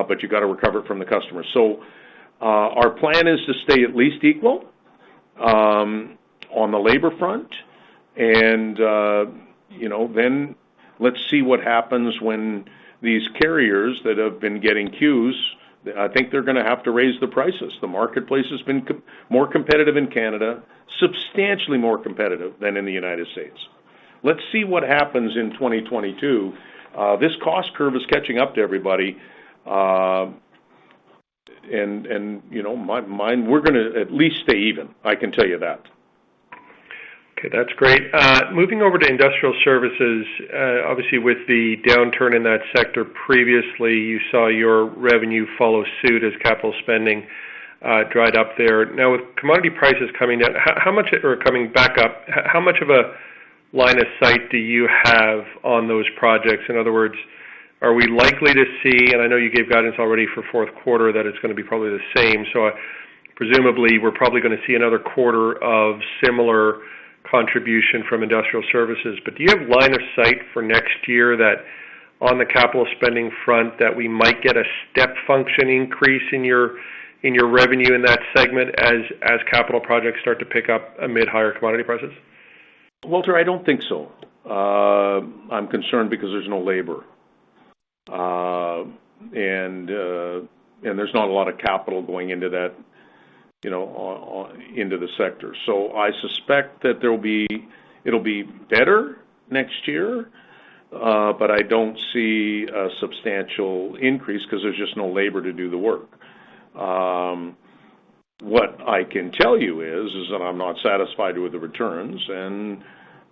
but you gotta recover it from the customer. Our plan is to stay at least equal on the labor front and, you know, then let's see what happens when these carriers that have been getting CEWS, I think they're gonna have to raise the prices. The marketplace has been more competitive in Canada, substantially more competitive than in the U.S. Let's see what happens in 2022. This cost curve is catching up to everybody. You know, we're gonna at least stay even, I can tell you that. Okay, that's great. Moving over to industrial services, obviously, with the downturn in that sector, previously, you saw your revenue follow suit as capital spending dried up there. Now, with commodity prices coming back up, how much of a line of sight do you have on those projects? In other words, are we likely to see. I know you gave guidance already for fourth quarter that it's gonna be probably the same, so presumably, we're probably gonna see another quarter of similar contribution from industrial services. But do you have line of sight for next year that on the capital spending front, that we might get a step function increase in your revenue in that segment as capital projects start to pick up amid higher commodity prices? Walter, I don't think so. I'm concerned because there's no labor. And there's not a lot of capital going into that, you know, into the sector. I suspect that it'll be better next year, but I don't see a substantial increase 'cause there's just no labor to do the work. What I can tell you is that I'm not satisfied with the returns, and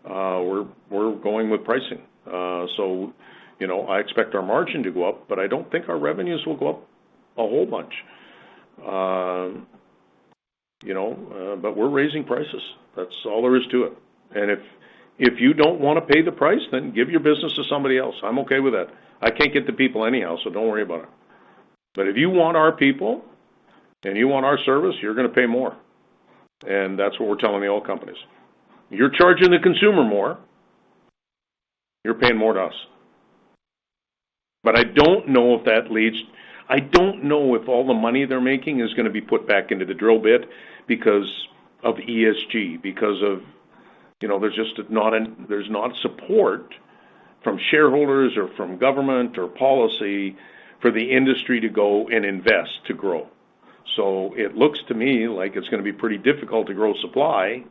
we're going with pricing. You know, I expect our margin to go up, but I don't think our revenues will go up a whole bunch. You know, but we're raising prices. That's all there is to it. If you don't wanna pay the price, then give your business to somebody else. I'm okay with that. I can't get the people anyhow, so don't worry about it. If you want our people and you want our service, you're gonna pay more. That's what we're telling the oil companies. You're charging the consumer more, you're paying more to us. I don't know if all the money they're making is gonna be put back into the drill bit because of ESG, because of, you know, there's just not support from shareholders or from government or policy for the industry to go and invest to grow. It looks to me like it's gonna be pretty difficult to grow supply,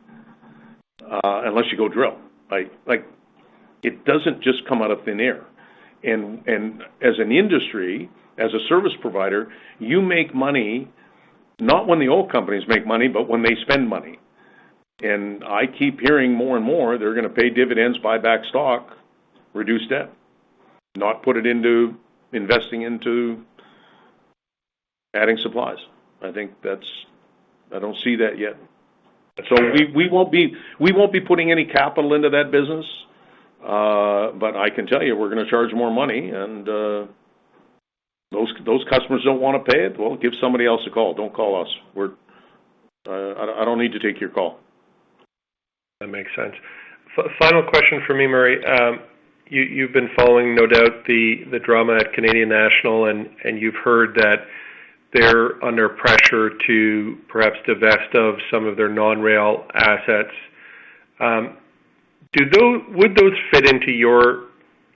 unless you go drill. Like, it doesn't just come out of thin air. As an industry, as a service provider, you make money not when the oil companies make money, but when they spend money. I keep hearing more and more they're gonna pay dividends, buy back stock, reduce debt, not put it into investing into adding supplies. I think that's. I don't see that yet. Okay. We won't be putting any capital into that business, but I can tell you, we're gonna charge more money, and those customers don't wanna pay it. Well, give somebody else a call. Don't call us. I don't need to take your call. That makes sense. Final question for me, Murray. You've been following, no doubt, the drama at Canadian National, and you've heard that they're under pressure to perhaps divest of some of their non-rail assets. Would those fit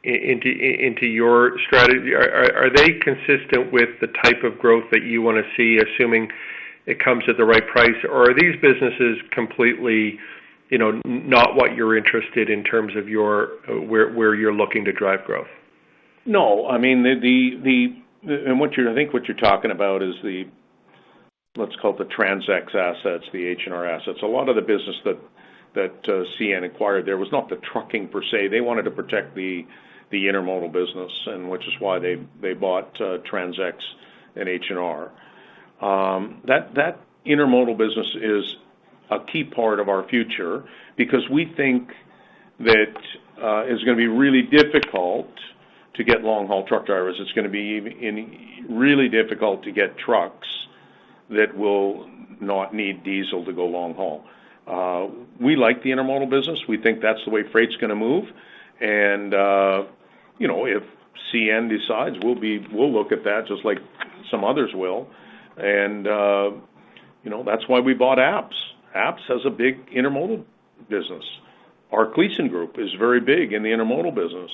into your strategy? Are they consistent with the type of growth that you wanna see, assuming it comes at the right price? Or are these businesses completely, you know, not what you're interested in terms of your where you're looking to drive growth? No. I mean, I think what you're talking about is the, let's call it, the TransX assets, the H&R assets. A lot of the business that CN acquired there was not the trucking per se. They wanted to protect the intermodal business and which is why they bought TransX and H&R. That intermodal business is a key part of our future because we think that it's gonna be really difficult to get long-haul truck drivers. It's gonna be really difficult to get trucks that will not need diesel to go long haul. We like the intermodal business. We think that's the way freight's gonna move. You know, if CN decides, we'll look at that just like some others will. You know, that's why we bought APPS. APPS has a big intermodal business. Our Kleysen Group Group group is very big in the intermodal business.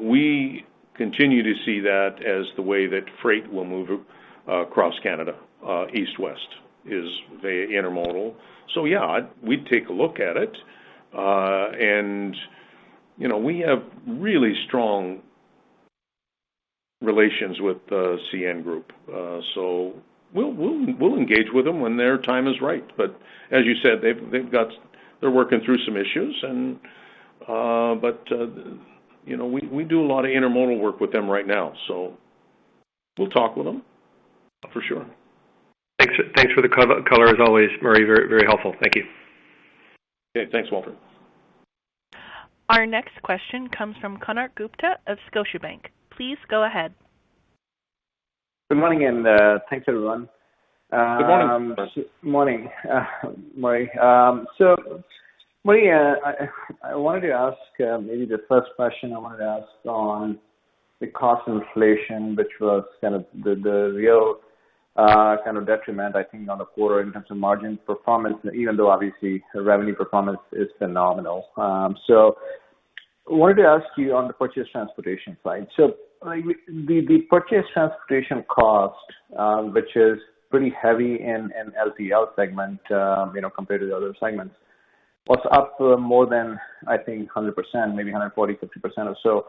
We continue to see that as the way that freight will move across Canada, east-west, is via intermodal. Yeah, we'd take a look at it. You know, we have really strong relations with the CN group. We'll engage with them when their time is right. As you said, they're working through some issues. You know, we do a lot of intermodal work with them right now, so we'll talk with them for sure. Thanks for the color as always, Murray. Very helpful. Thank you. Okay, thanks, Walter. Our next question comes from Konark Gupta of Scotiabank. Please go ahead. Good morning, and, thanks everyone. Good morning. Morning, Murray. I wanted to ask maybe the first question on the cost inflation, which was kind of the real kind of detriment, I think, on the quarter in terms of margin performance, even though obviously the revenue performance is phenomenal. Wanted to ask you on the purchased transportation side. Like the purchased transportation cost, which is pretty heavy in LTL segment, you know, compared to the other segments, was up for more than, I think 100%, maybe 140-150% or so.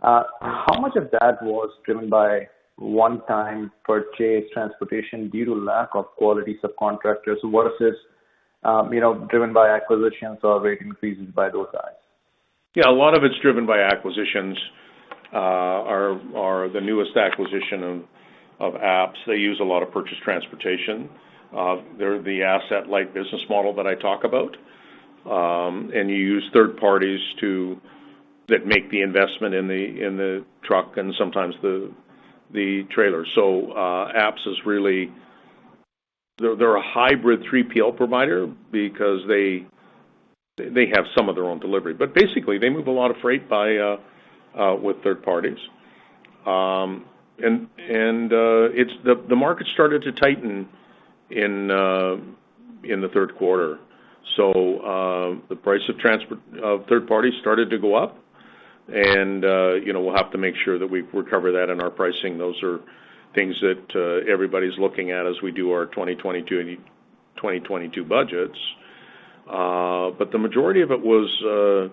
How much of that was driven by one-time purchased transportation due to lack of quality subcontractors versus, you know, driven by acquisitions or rate increases by those guys? Yeah, a lot of it's driven by acquisitions, the newest acquisition of APPS. They use a lot of purchased transportation. They're the asset light business model that I talk about. You use third parties that make the investment in the truck and sometimes the trailer. APPS is really a hybrid 3PL provider because they have some of their own delivery. But basically they move a lot of freight by with third parties. The market started to tighten in the third quarter. The price of third party started to go up, and you know, we'll have to make sure that we recover that in our pricing. Those are things that everybody's looking at as we do our 2022 budgets. The majority of it was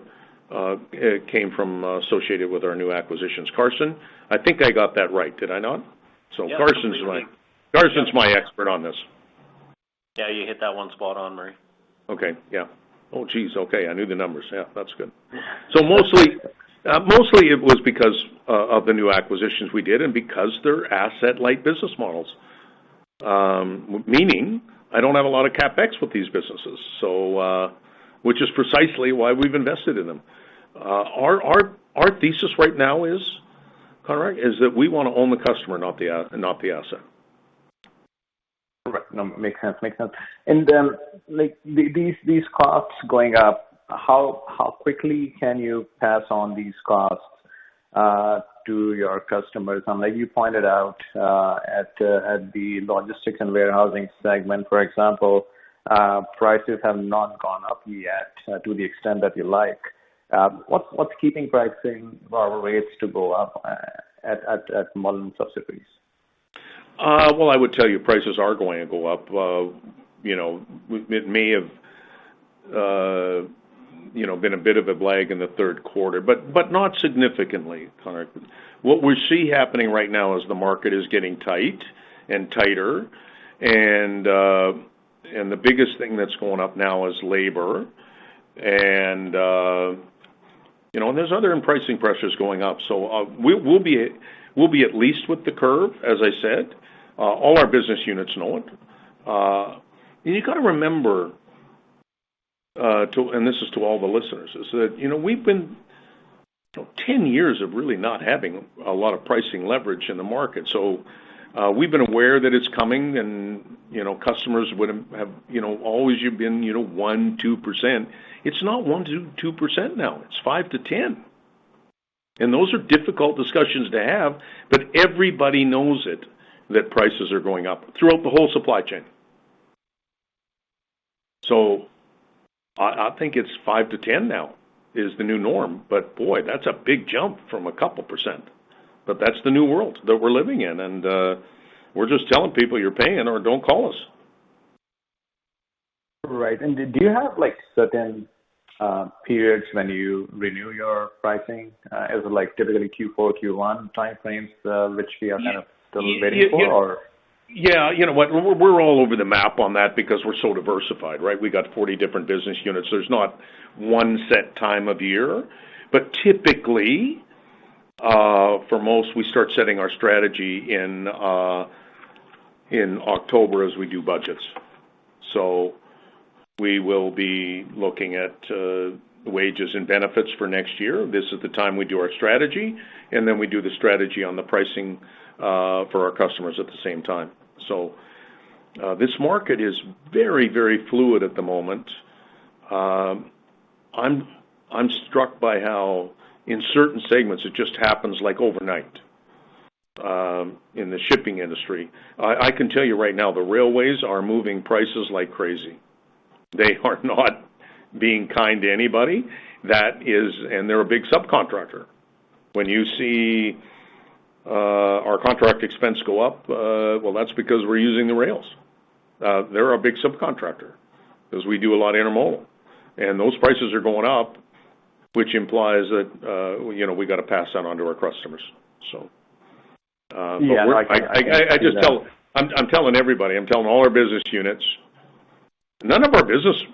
it came from associated with our new acquisitions. Carson, I think I got that right. Did I not? Yeah. Carson’s my expert on this. Yeah, you hit that one spot on, Murray. Okay. Yeah. Oh, geez. Okay, I knew the numbers. Yeah, that's good. Mostly it was because of the new acquisitions we did and because they're asset light business models, meaning I don't have a lot of CapEx with these businesses, which is precisely why we've invested in them. Our thesis right now is, Konark, that we want to own the customer, not the asset. Correct. No, makes sense. Makes sense. Like, these costs going up, how quickly can you pass on these costs to your customers? Like you pointed out, at the logistics and warehousing segment, for example, prices have not gone up yet to the extent that you like. What's keeping pricing or rates to go up at Mullen subsidiaries? Well, I would tell you prices are going to go up. You know, it may have, you know, been a bit of a lag in the third quarter, but not significantly, Konark. What we see happening right now is the market is getting tight and tighter and the biggest thing that's going up now is labor. And you know, and there's other pricing pressures going up. So we'll be at least with the curve, as I said. All our business units know it. And you gotta remember and this is to all the listeners, is that you know, we've been you know, 10 years of really not having a lot of pricing leverage in the market. We've been aware that it's coming and, you know, customers would have always been, you know, 1%-2%. It's not 1%-2% now. It's 5%-10%. Those are difficult discussions to have, but everybody knows it, that prices are going up throughout the whole supply chain. I think 5%-10% now is the new norm. Boy, that's a big jump from a couple %. That's the new world that we're living in. We're just telling people you're paying or don't call us. Right. Did you have like certain periods when you renew your pricing? Is it like typically Q4, Q1 time frames, which we are kind of still waiting for or? Yeah. You know what? We're all over the map on that because we're so diversified, right? We got 40 different business units. There's not one set time of year. Typically, for most, we start setting our strategy in October as we do budgets. We will be looking at wages and benefits for next year. This is the time we do our strategy, and then we do the strategy on the pricing for our customers at the same time. This market is very, very fluid at the moment. I'm struck by how in certain segments, it just happens like overnight in the shipping industry. I can tell you right now, the railways are moving prices like crazy. They are not being kind to anybody. That is and they're a big subcontractor. When you see our contract expense go up, well, that's because we're using the rails. They're our big subcontractor 'cause we do a lot of intermodal. Those prices are going up, which implies that, you know, we gotta pass that on to our customers, so. Yeah. I'm telling everybody, I'm telling all our business units none of our business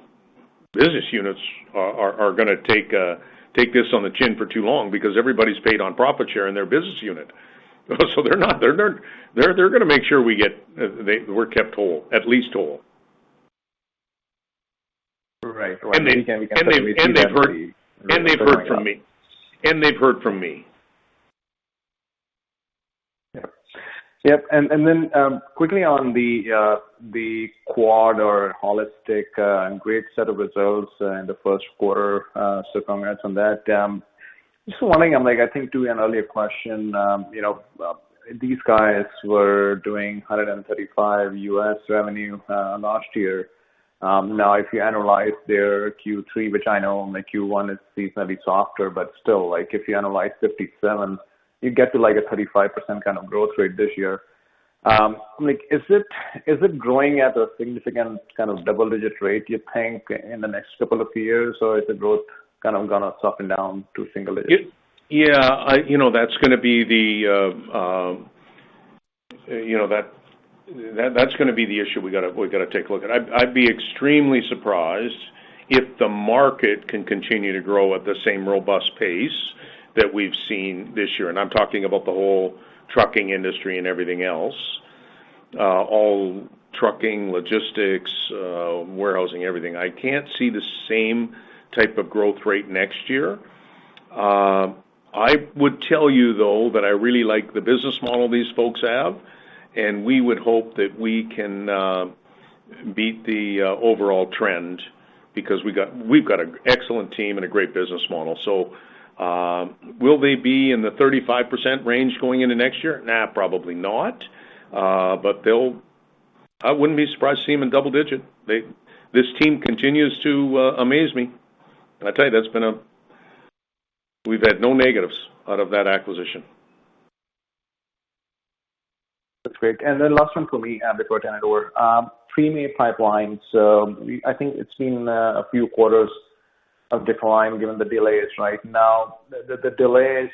units are gonna take this on the chin for too long because everybody's paid on profit share in their business unit. They're gonna make sure we're kept whole, at least whole. Right. Right. They've heard from me. Yeah. Yep, then quickly on the Quad or HAUListic and great set of results in the first quarter, so congrats on that. Just one thing, like I think to an earlier question, you know, these guys were doing $135 million US revenue last year. Now if you analyze their Q3, which I know, and the Q1 is slightly softer, but still, like if you analyze $57 million, you get to like a 35% kind of growth rate this year. Like, is it growing at a significant kind of double-digit rate, you think, in the next couple of years, or is the growth kind of gonna soften down to single digits? Yeah. You know, that's gonna be the issue we gotta take a look at. I'd be extremely surprised if the market can continue to grow at the same robust pace that we've seen this year. I'm talking about the whole trucking industry and everything else, all trucking, logistics, warehousing, everything. I can't see the same type of growth rate next year. I would tell you, though, that I really like the business model these folks have, and we would hope that we can beat the overall trend because we've got an excellent team and a great business model. Will they be in the 35% range going into next year? Nah, probably not. But they'll... I wouldn't be surprised to see them in double digit. This team continues to amaze me. I tell you, that's been a. We've had no negatives out of that acquisition. That's great. Last one for me before Tanidor. Premay Pipeline, I think it's been a few quarters of decline given the delays right now. The delays,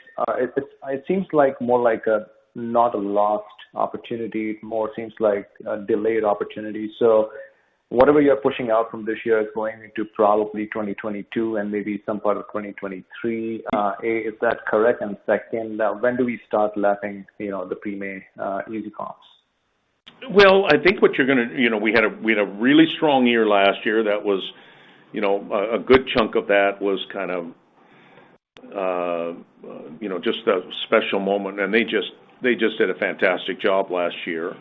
it seems like more like not a lost opportunity, more like a delayed opportunity. Whatever you're pushing out from this year is going into probably 2022 and maybe some part of 2023. A, is that correct? Second, when do we start lapping, you know, the Premay easy comps? Well, I think what you're gonna. You know, we had a really strong year last year that was, you know, a good chunk of that was kind of, you know, just a special moment, and they just did a fantastic job last year.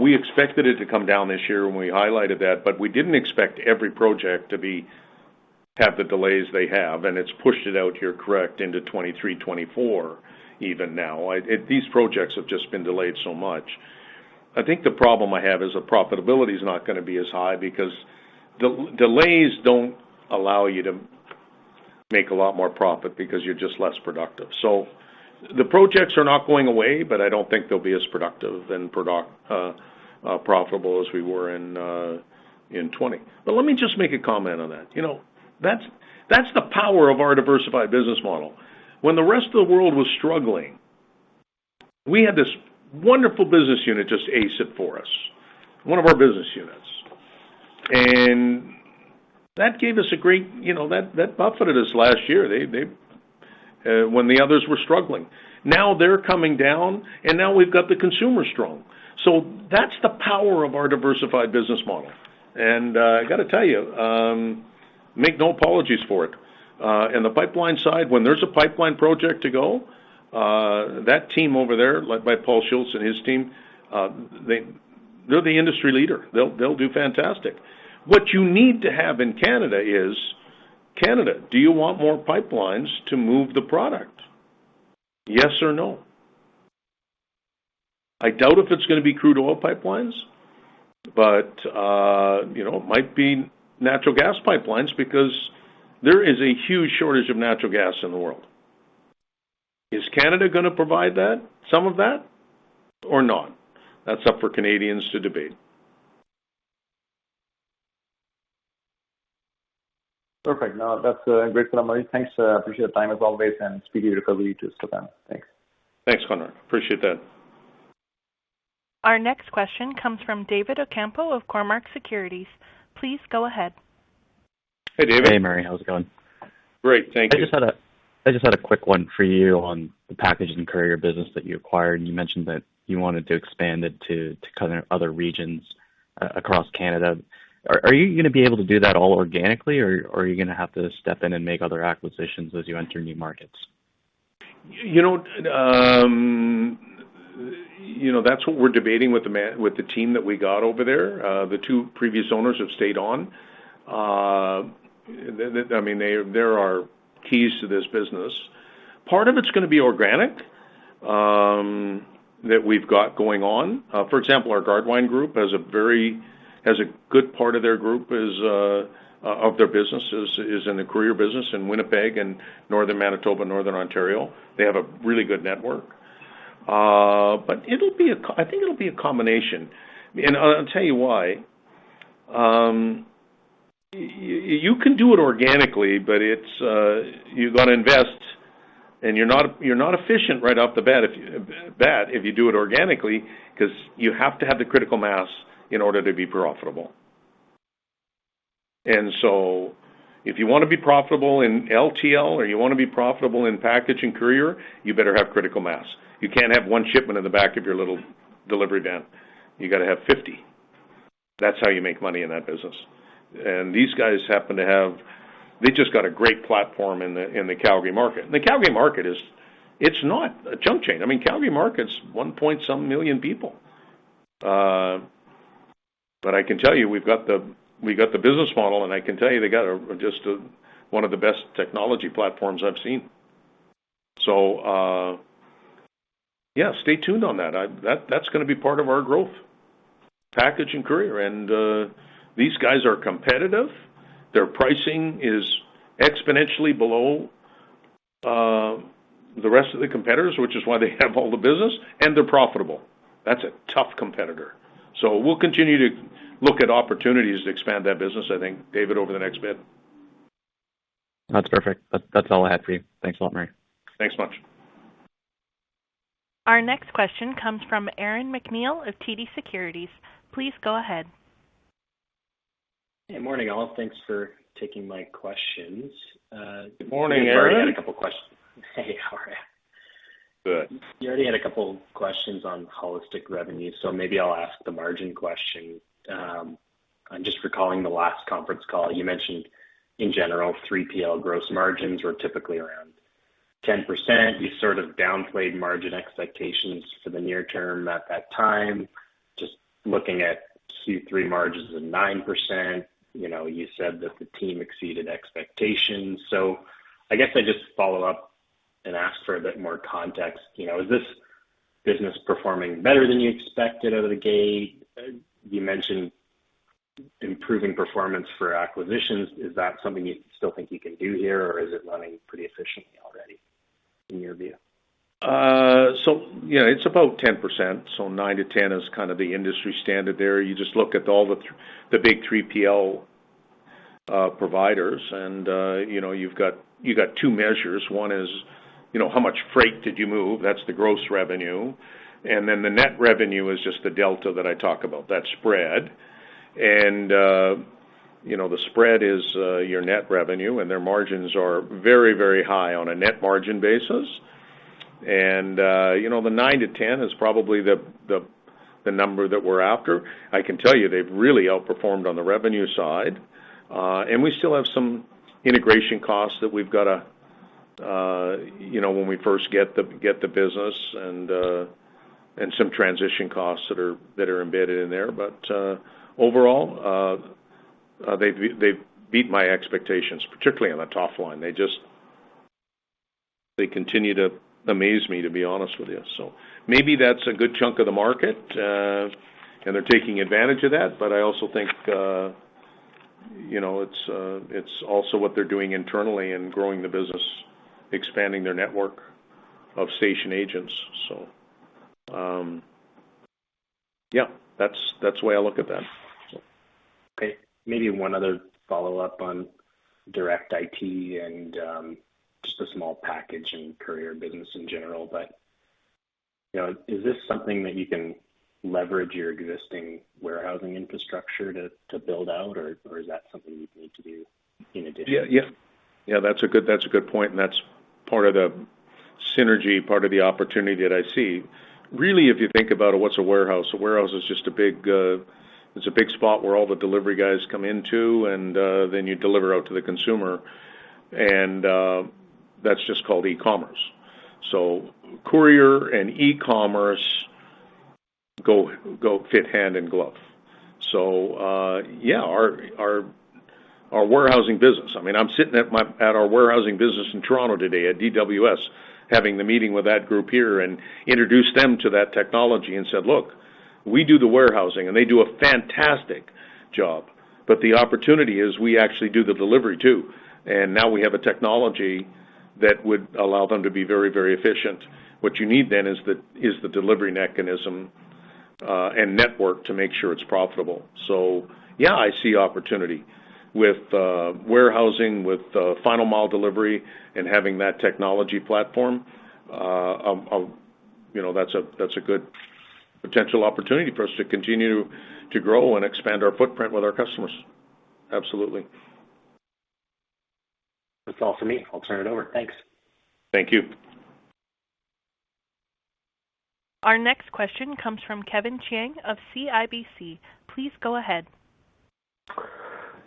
We expected it to come down this year, and we highlighted that, but we didn't expect every project to have the delays they have, and it's pushed it out here, correct, into 2023, 2024 even now. It. These projects have just been delayed so much. I think the problem I have is the profitability is not gonna be as high because delays don't allow you to make a lot more profit because you're just less productive. The projects are not going away, but I don't think they'll be as productive and profitable as we were in 2020. Let me just make a comment on that. You know, that's the power of our diversified business model. When the rest of the world was struggling, we had this wonderful business unit just ace it for us. One of our business units. You know, that buffeted us last year when the others were struggling. Now they're coming down, and now we've got the consumer strong. That's the power of our diversified business model. I gotta tell you, make no apologies for it. The pipeline side, when there's a pipeline project to go, that team over there, led by Pat Malone and his team, they're the industry leader. They'll do fantastic. What you need to have in Canada is, "Canada, do you want more pipelines to move the product? Yes or no?" I doubt if it's gonna be crude oil pipelines, but you know, it might be natural gas pipelines because there is a huge shortage of natural gas in the world. Is Canada gonna provide that, some of that or not? That's up for Canadians to debate. Perfect. No, that's a great summary. Thanks. Appreciate your time as always and speak to you probably just with them. Thanks. Thanks, Konark Gupta. Appreciate that. Our next question comes from David Ocampo of Cormark Securities. Please go ahead. Hey, David. Hey, Murray. How's it going? Great, thank you. I just had a quick one for you on the package and courier business that you acquired, and you mentioned that you wanted to expand it to kind of other regions across Canada. Are you gonna be able to do that all organically or are you gonna have to step in and make other acquisitions as you enter new markets? You know, you know, that's what we're debating with the team that we got over there. The two previous owners have stayed on. I mean, they are keys to this business. Part of it's gonna be organic, that we've got going on. For example, our Gardewine group has a good part of their business is in the courier business in Winnipeg and Northern Manitoba, Northern Ontario. They have a really good network. But I think it'll be a combination. I'll tell you why. You can do it organically, but it's. You're gonna invest. You're not efficient right off the bat if you do it organically, 'cause you have to have the critical mass in order to be profitable. If you wanna be profitable in LTL or you wanna be profitable in package and courier, you better have critical mass. You can't have one shipment in the back of your little delivery van. You gotta have 50. That's how you make money in that business. These guys happen to have. They just got a great platform in the Calgary market. The Calgary market is. It's not a junk chain. I mean, Calgary market's 1 point some million people. I can tell you we've got the business model, and I can tell you they got a just a one of the best technology platforms I've seen. Yeah, stay tuned on that. That's gonna be part of our growth, package and courier. These guys are competitive. Their pricing is exponentially below the rest of the competitors, which is why they have all the business, and they're profitable. That's a tough competitor. We'll continue to look at opportunities to expand that business, I think, David, over the next bit. That's perfect. That's all I had for you. Thanks a lot, Murray. Thanks much. Our next question comes from Aaron MacNeil of TD Securities. Please go ahead. Good morning, all. Thanks for taking my questions. Good morning, Aaron. I've already had a couple questions. Hey, how are you? Good. You already had a couple questions on HAUListic revenues, so maybe I'll ask the margin question. I'm just recalling the last conference call. You mentioned, in general, 3PL gross margins were typically around 10%. You sort of downplayed margin expectations for the near term at that time. Just looking at Q3 margins of 9%, you know, you said that the team exceeded expectations. I guess I just follow up and ask for a bit more context. You know, is this business performing better than you expected out of the gate? You mentioned improving performance for acquisitions. Is that something you still think you can do here, or is it running pretty efficiently already, in your view? Yeah, it's about 10%, 9%-10% is kind of the industry standard there. You just look at all the big 3PL providers and, you know, you've got two measures. One is, you know, how much freight did you move? That's the gross revenue. Then the net revenue is just the delta that I talk about, that spread. You know, the spread is your net revenue, and their margins are very, very high on a net margin basis. You know, the 9%-10% is probably the number that we're after. I can tell you, they've really outperformed on the revenue side. We still have some integration costs that we've gotta, you know, when we first get the business and some transition costs that are embedded in there. Overall, they've beat my expectations, particularly on the top line. They continue to amaze me, to be honest with you. Maybe that's a good chunk of the market, and they're taking advantage of that, but I also think, you know, it's also what they're doing internally and growing the business, expanding their network of station agents. Yeah, that's the way I look at them. Okay. Maybe one other follow-up on Direct IT and just the small package and courier business in general, but you know, is this something that you can leverage your existing warehousing infrastructure to build out, or is that something you'd need to do in addition? Yeah, that's a good point, and that's part of the synergy, part of the opportunity that I see. Really, if you think about it, what's a warehouse? A warehouse is just a big, it's a big spot where all the delivery guys come into, and then you deliver out to the consumer. That's just called e-commerce. Courier and e-commerce go fit hand in glove. Yeah, our warehousing business. I mean, I'm sitting at our warehousing business in Toronto today at DWS, having the meeting with that group here and introduced them to that technology and said, "Look, we do the warehousing," and they do a fantastic job. The opportunity is we actually do the delivery too. Now we have a technology that would allow them to be very, very efficient. What you need then is the delivery mechanism and network to make sure it's profitable. Yeah, I see opportunity with warehousing, with final mile delivery and having that technology platform. You know, that's a good potential opportunity for us to continue to grow and expand our footprint with our customers. Absolutely. That's all for me. I'll turn it over. Thanks. Thank you. Our next question comes from Kevin Chiang of CIBC. Please go ahead.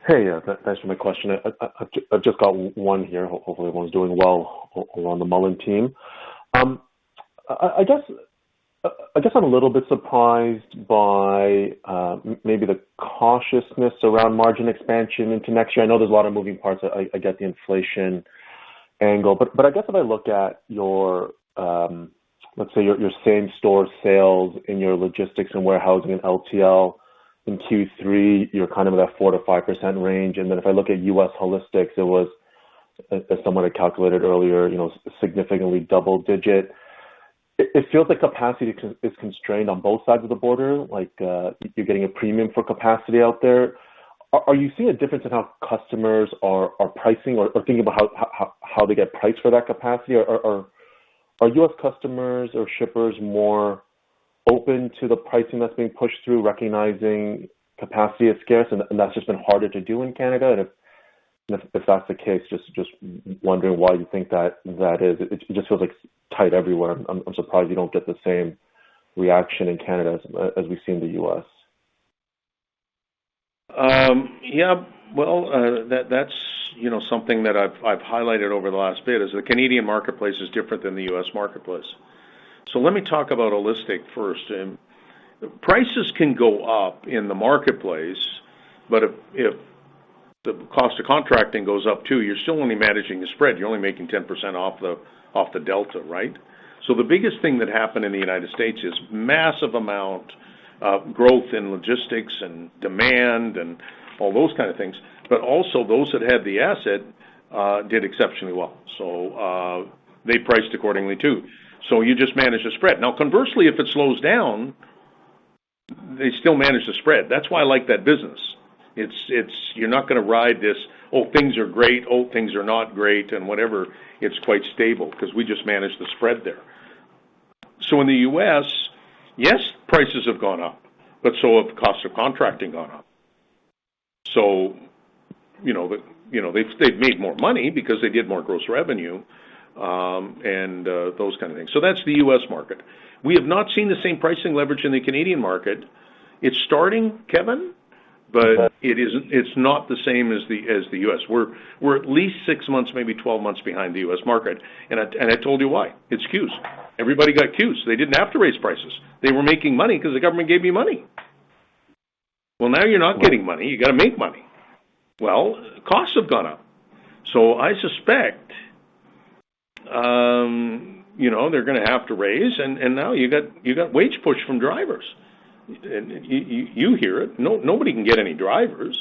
Hey, thanks for my question. I've just got one here. Hopefully, everyone's doing well on the Mullen team. I guess I'm a little bit surprised by maybe the cautiousness around margin expansion into next year. I know there's a lot of moving parts. I get the inflation angle. I guess if I look at your same-store sales in your logistics and warehousing and LTL, in Q3, you're kind of in that 4%-5% range. Then if I look at HAUListic, it was, as someone had calculated earlier, you know, significantly double-digit. It feels like capacity is constrained on both sides of the border. Like, you're getting a premium for capacity out there. Are you seeing a difference in how customers are pricing or thinking about how they get priced for that capacity? Or are U.S. customers or shippers more open to the pricing that's being pushed through recognizing capacity is scarce and that's just been harder to do in Canada? If that's the case, just wondering why you think that is. It just feels like it's tight everywhere. I'm surprised you don't get the same reaction in Canada as we see in the U.S. Well, that's, you know, something that I've highlighted over the last bit, is the Canadian marketplace is different than the U.S. marketplace. Let me talk about HAUListic first. Prices can go up in the marketplace, but if the cost of contracting goes up too, you're still only managing the spread. You're only making 10% off the delta, right? The biggest thing that happened in the United States is massive amount of growth in logistics and demand and all those kind of things. But also, those that had the asset did exceptionally well. They priced accordingly too. You just manage the spread. Now, conversely, if it slows down, they still manage the spread. That's why I like that business. It's. You're not gonna ride this, "Oh, things are great. Oh, things are not great," and whatever. It's quite stable 'cause we just manage the spread there. In the U.S., yes, prices have gone up, but so have costs of contracting gone up. You know, they've made more money because they did more gross revenue, and those kind of things. That's the U.S. market. We have not seen the same pricing leverage in the Canadian market. It's starting, Kevin. Okay It's not the same as the U.S. We're at least 6 months, maybe 12 months behind the U.S. market, and I told you why. It's CEWS. Everybody got CEWS. They didn't have to raise prices. They were making money 'cause the government gave me money. Well, now you're not getting money. You gotta make money. Well, costs have gone up. I suspect, you know, they're gonna have to raise, and now you got wage push from drivers. You hear it. Nobody can get any drivers.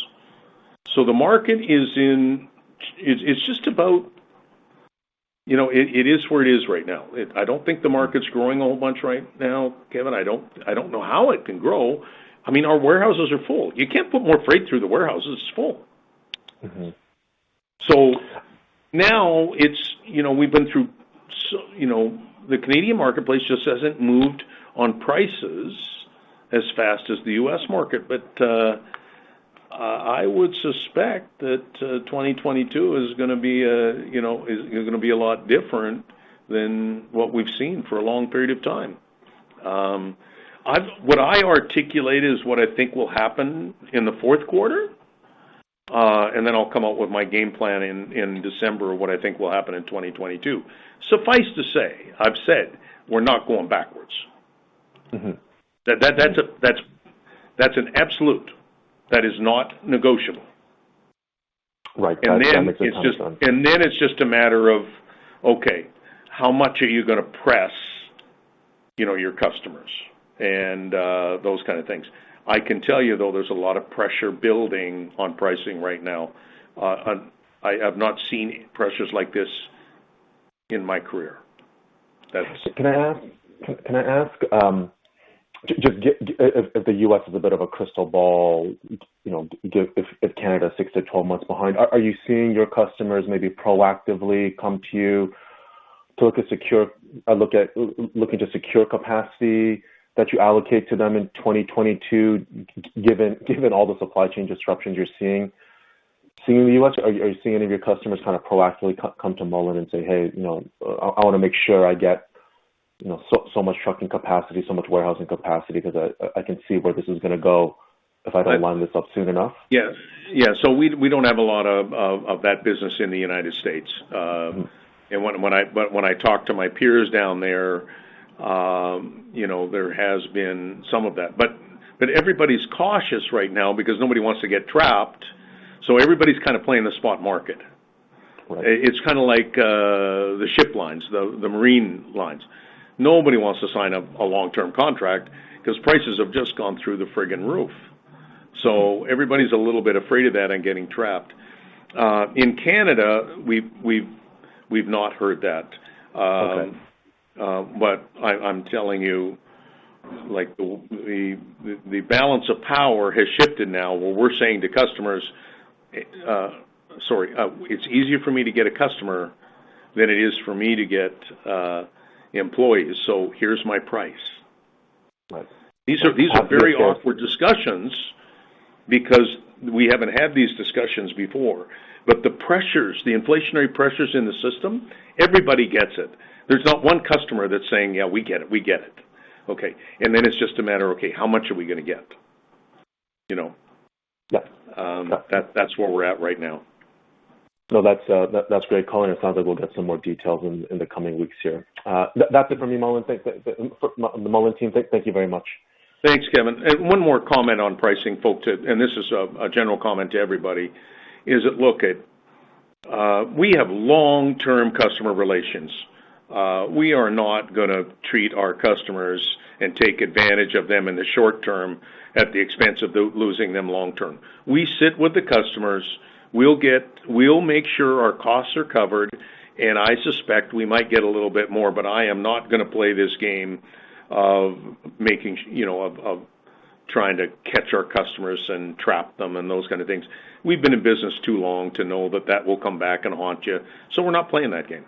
The market is in. It's just about. You know, it is where it is right now. I don't think the market's growing a whole bunch right now, Kevin. I don't know how it can grow. I mean, our warehouses are full. You can't put more freight through. The warehouse is full. Mm-hmm. You know, we've been through so. You know, the Canadian marketplace just hasn't moved on prices as fast as the U.S. market. I would suspect that 2022 is gonna be, you know, is gonna be a lot different than what we've seen for a long period of time. What I articulate is what I think will happen in the fourth quarter, and then I'll come out with my game plan in December, what I think will happen in 2022. Suffice to say, I've said, we're not going backwards. Mm-hmm. That's an absolute. That is not negotiable. Right. That's It's just a matter of, okay, how much are you gonna press, you know, your customers and those kind of things. I can tell you, though, there's a lot of pressure building on pricing right now. I have not seen pressures like this in my career. Can I ask, just if the U.S. is a bit of a crystal ball, you know, if Canada is six to 12 months behind, are you seeing your customers maybe proactively come to you looking to secure capacity that you allocate to them in 2022 given all the supply chain disruptions you're seeing? Are you seeing any of your customers kind of proactively come to Mullen and say, "Hey, you know, I wanna make sure I get, you know, so much trucking capacity, so much warehousing capacity 'cause I can see where this is gonna go if I don't line this up soon enough? Yes. Yeah. We don't have a lot of that business in the United States. Mm-hmm. When I talk to my peers down there, you know, there has been some of that. Everybody's cautious right now because nobody wants to get trapped, so everybody's kind of playing the spot market. Right. It's kinda like the ship lines, the marine lines. Nobody wants to sign up a long-term contract 'cause prices have just gone through the frigging roof. Everybody's a little bit afraid of that and getting trapped. In Canada, we've not heard that. Okay. I'm telling you, like, the balance of power has shifted now, where we're saying to customers, sorry. It's easier for me to get a customer than it is for me to get employees, so here's my price. Right. These are very awkward discussions because we haven't had these discussions before. The pressures, the inflationary pressures in the system, everybody gets it. There's not one customer that's saying, "Yeah, we get it. We get it." Okay. Then it's just a matter of, okay, how much are we gonna get? You know. Yeah. That's where we're at right now. No, that's great, Murray Mullen. It sounds like we'll get some more details in the coming weeks here. That's it for me, Mullen. For the Mullen team, thank you very much. Thanks, Kevin. One more comment on pricing, folks, and this is a general comment to everybody, is look at we have long-term customer relations. We are not gonna treat our customers and take advantage of them in the short term at the expense of losing them long term. We sit with the customers. We'll make sure our costs are covered, and I suspect we might get a little bit more, but I am not gonna play this game of making you know of trying to catch our customers and trap them and those kind of things. We've been in business too long to know that that will come back and haunt you, so we're not playing that game.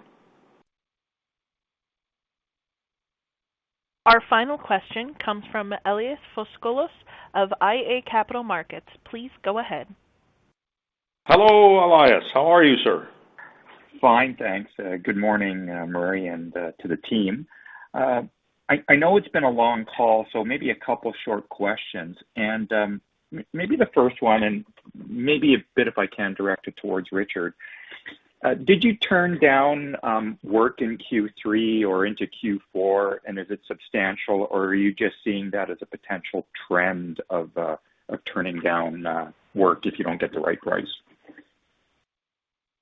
Our final question comes from Elias Foscolos of iA Capital Markets. Please go ahead. Hello, Elias. How are you, sir? Fine, thanks. Good morning, Murray, and to the team. I know it's been a long call, so maybe a couple short questions. Maybe the first one, and maybe a bit, if I can, direct it towards Richard. Did you turn down work in Q3 or into Q4, and is it substantial, or are you just seeing that as a potential trend of turning down work if you don't get the right price?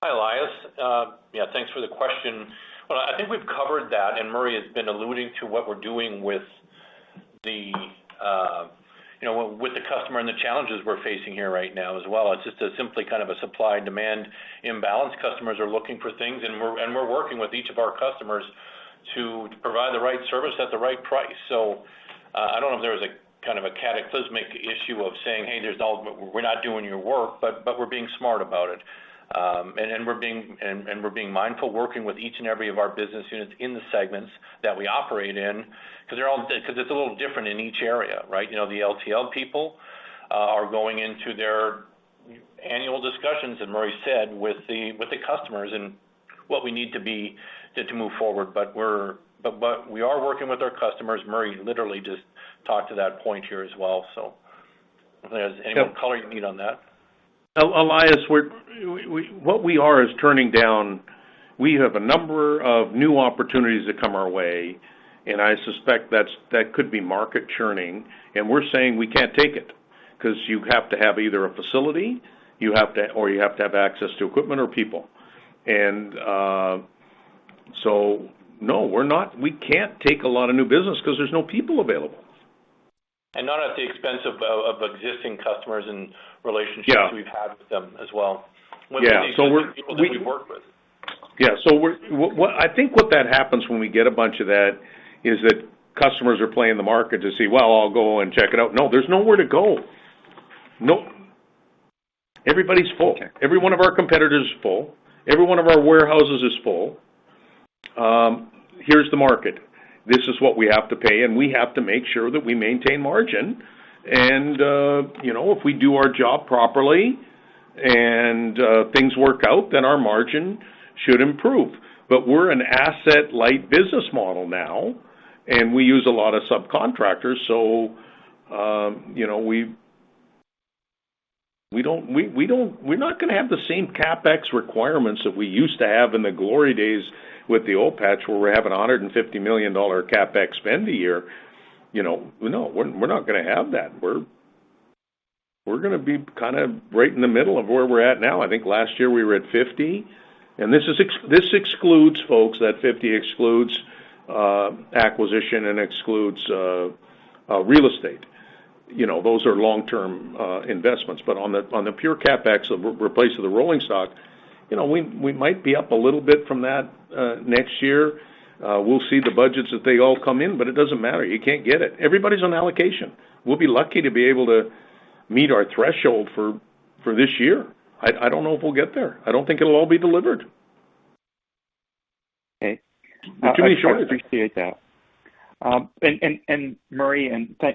Hi, Elias. Yeah, thanks for the question. Well, I think we've covered that, and Murray has been alluding to what we're doing with the, you know, with the customer and the challenges we're facing here right now as well. It's just a simply kind of a supply-demand imbalance. Customers are looking for things, and we're working with each of our customers to provide the right service at the right price. I don't know if there is a kind of a cataclysmic issue of saying, "Hey, we're not doing your work," but we're being smart about it. We're being mindful working with each and every of our business units in the segments that we operate in 'cause it's a little different in each area, right? You know, the LTL people are going into their annual discussions, as Murray said, with the customers and what we need to be to move forward. We are working with our customers. Murray literally just talked to that point here as well. Elias, any color you need on that? Elias, what we are is turning down. We have a number of new opportunities that come our way, and I suspect that could be market churning. We're saying we can't take it, 'cause you have to have either a facility or you have to have access to equipment or people. No, we can't take a lot of new business 'cause there's no people available. Not at the expense of existing customers and relationships. Yeah We've had with them as well. Yeah. People that we work with. I think what happens when we get a bunch of that is that customers are playing the market to see, well, I'll go and check it out. No, there's nowhere to go. Nope. Everybody's full. Okay. Every one of our competitors is full. Every one of our warehouses is full. Here's the market. This is what we have to pay, and we have to make sure that we maintain margin. You know, if we do our job properly and things work out, then our margin should improve. We're an asset-light business model now, and we use a lot of subcontractors. You know, we don't. We're not gonna have the same CapEx requirements that we used to have in the glory days with the old patch, where we're having 150 million dollar CapEx spend a year. You know, no, we're not gonna have that. We're gonna be kind of right in the middle of where we're at now. I think last year we were at 50 million. This excludes, folks, that 50, acquisition and real estate. You know, those are long-term investments. On the pure CapEx of replacement of the rolling stock, you know, we might be up a little bit from that next year. We'll see the budgets that they all come in, but it doesn't matter. You can't get it. Everybody's on allocation. We'll be lucky to be able to meet our threshold for this year. I don't know if we'll get there. I don't think it'll all be delivered. Okay. Too many shortages. I appreciate that.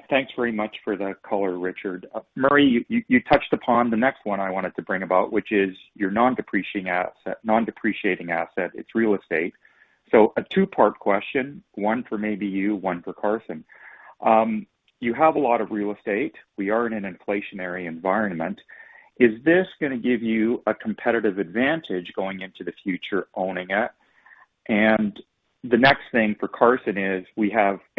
Thanks very much for the color, Richard. Murray, you touched upon the next one I wanted to bring up, which is your non-depreciating asset. It's real estate. A two-part question, one for maybe you, one for Carson. You have a lot of real estate. We are in an inflationary environment. Is this gonna give you a competitive advantage going into the future owning it? The next thing for Carson is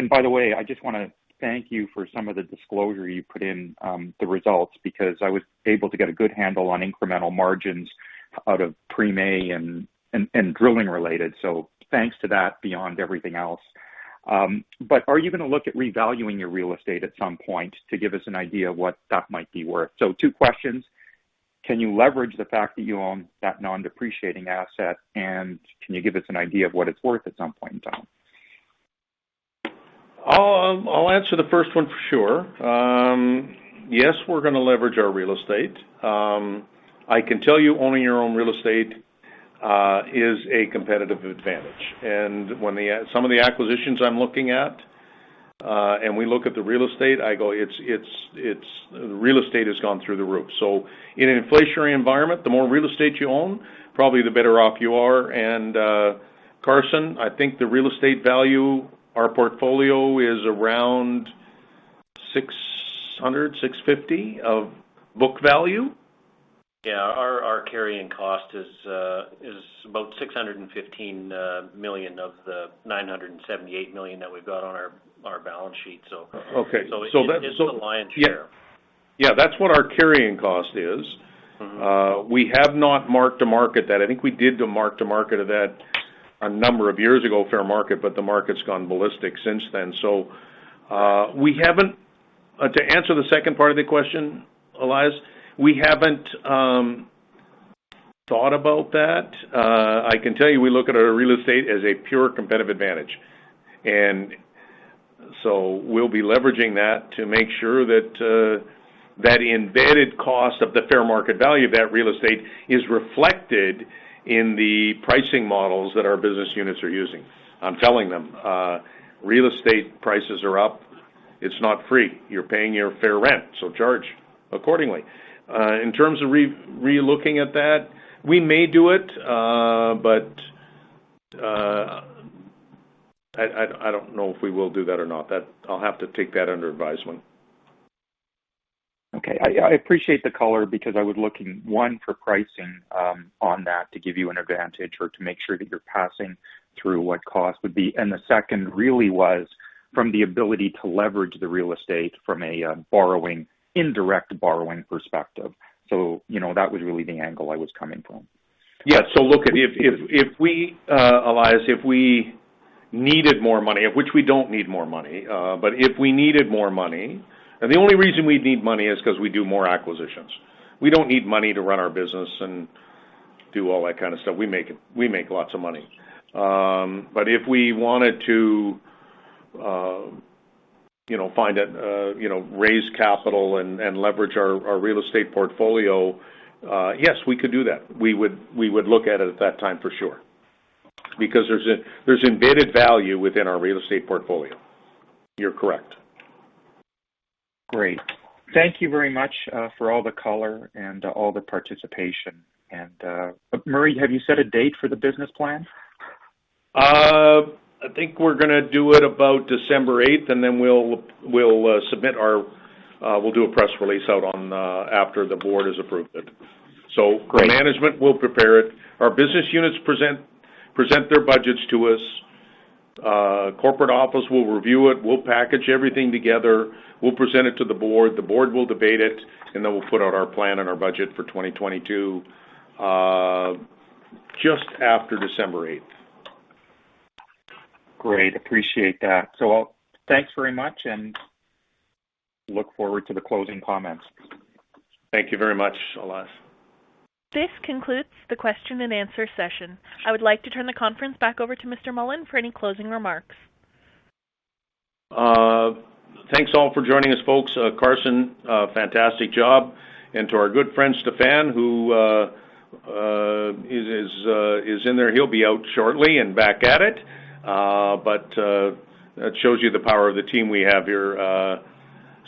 by the way, I just wanna thank you for some of the disclosure you put in the results because I was able to get a good handle on incremental margins out of Premay and drilling related. Thanks to that beyond everything else. Are you gonna look at revaluing your real estate at some point to give us an idea of what that might be worth? Two questions: Can you leverage the fact that you own that non-depreciating asset, and can you give us an idea of what it's worth at some point in time? I'll answer the first one for sure. Yes, we're gonna leverage our real estate. I can tell you owning your own real estate is a competitive advantage. When some of the acquisitions I'm looking at, and we look at the real estate, I go, "It's real estate has gone through the roof." In an inflationary environment, the more real estate you own, probably the better off you are. Carson, I think the real estate value, our portfolio is around 600-650 of book value. Yeah. Our carrying cost is about 615 million of the 978 million that we've got on our balance sheet, so. Okay. It's the lion's share. Yeah. Yeah, that's what our carrying cost is. Mm-hmm. We have not mark-to-market that. I think we did the mark-to-market of that a number of years ago, fair market, but the market's gone ballistic since then. We haven't. To answer the second part of the question, Elias, we haven't thought about that. I can tell you we look at our real estate as a pure competitive advantage. We'll be leveraging that to make sure that that embedded cost of the fair market value of that real estate is reflected in the pricing models that our business units are using. I'm telling them real estate prices are up. It's not free. You're paying your fair rent, so charge accordingly. In terms of relooking at that, we may do it, but I don't know if we will do that or not. I'll have to take that under advisement. Okay. I appreciate the color because I was looking, one, for pricing on that to give you an advantage or to make sure that you're passing through what cost would be. The second really was from the ability to leverage the real estate from a borrowing, indirect borrowing perspective. You know, that was really the angle I was coming from. Yeah. Look, if we needed more money, of which we don't need more money, but if we needed more money, the only reason we'd need money is 'cause we do more acquisitions. We don't need money to run our business and do all that kind of stuff. We make it. We make lots of money. If we wanted to you know raise capital and leverage our real estate portfolio, yes, we could do that. We would look at it at that time for sure because there's embedded value within our real estate portfolio. You're correct. Great. Thank you very much for all the color and all the participation. Murray, have you set a date for the business plan? I think we're gonna do it about December eighth, and then we'll do a press release out on after the board has approved it. Great. The management will prepare it. Our business units present their budgets to us. Corporate office will review it. We'll package everything together. We'll present it to the board. The board will debate it, and then we'll put out our plan and our budget for 2022, just after December 8. Great. Appreciate that. Thanks very much, and look forward to the closing comments. Thank you very much, Elias. This concludes the question and answer session. I would like to turn the conference back over to Mr. Mullen for any closing remarks. Thanks all for joining us, folks. Carson, fantastic job. To our good friend, Stephen, who is in there. He'll be out shortly and back at it. That shows you the power of the team we have here,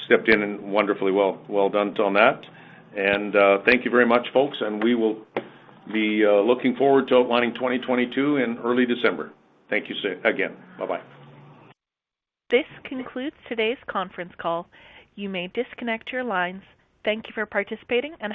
stepped in and wonderfully well done on that. Thank you very much, folks, and we will be looking forward to outlining 2022 in early December. Thank you so again. Bye-bye. This concludes today's conference call. You may disconnect your lines. Thank you for participating and goodbye.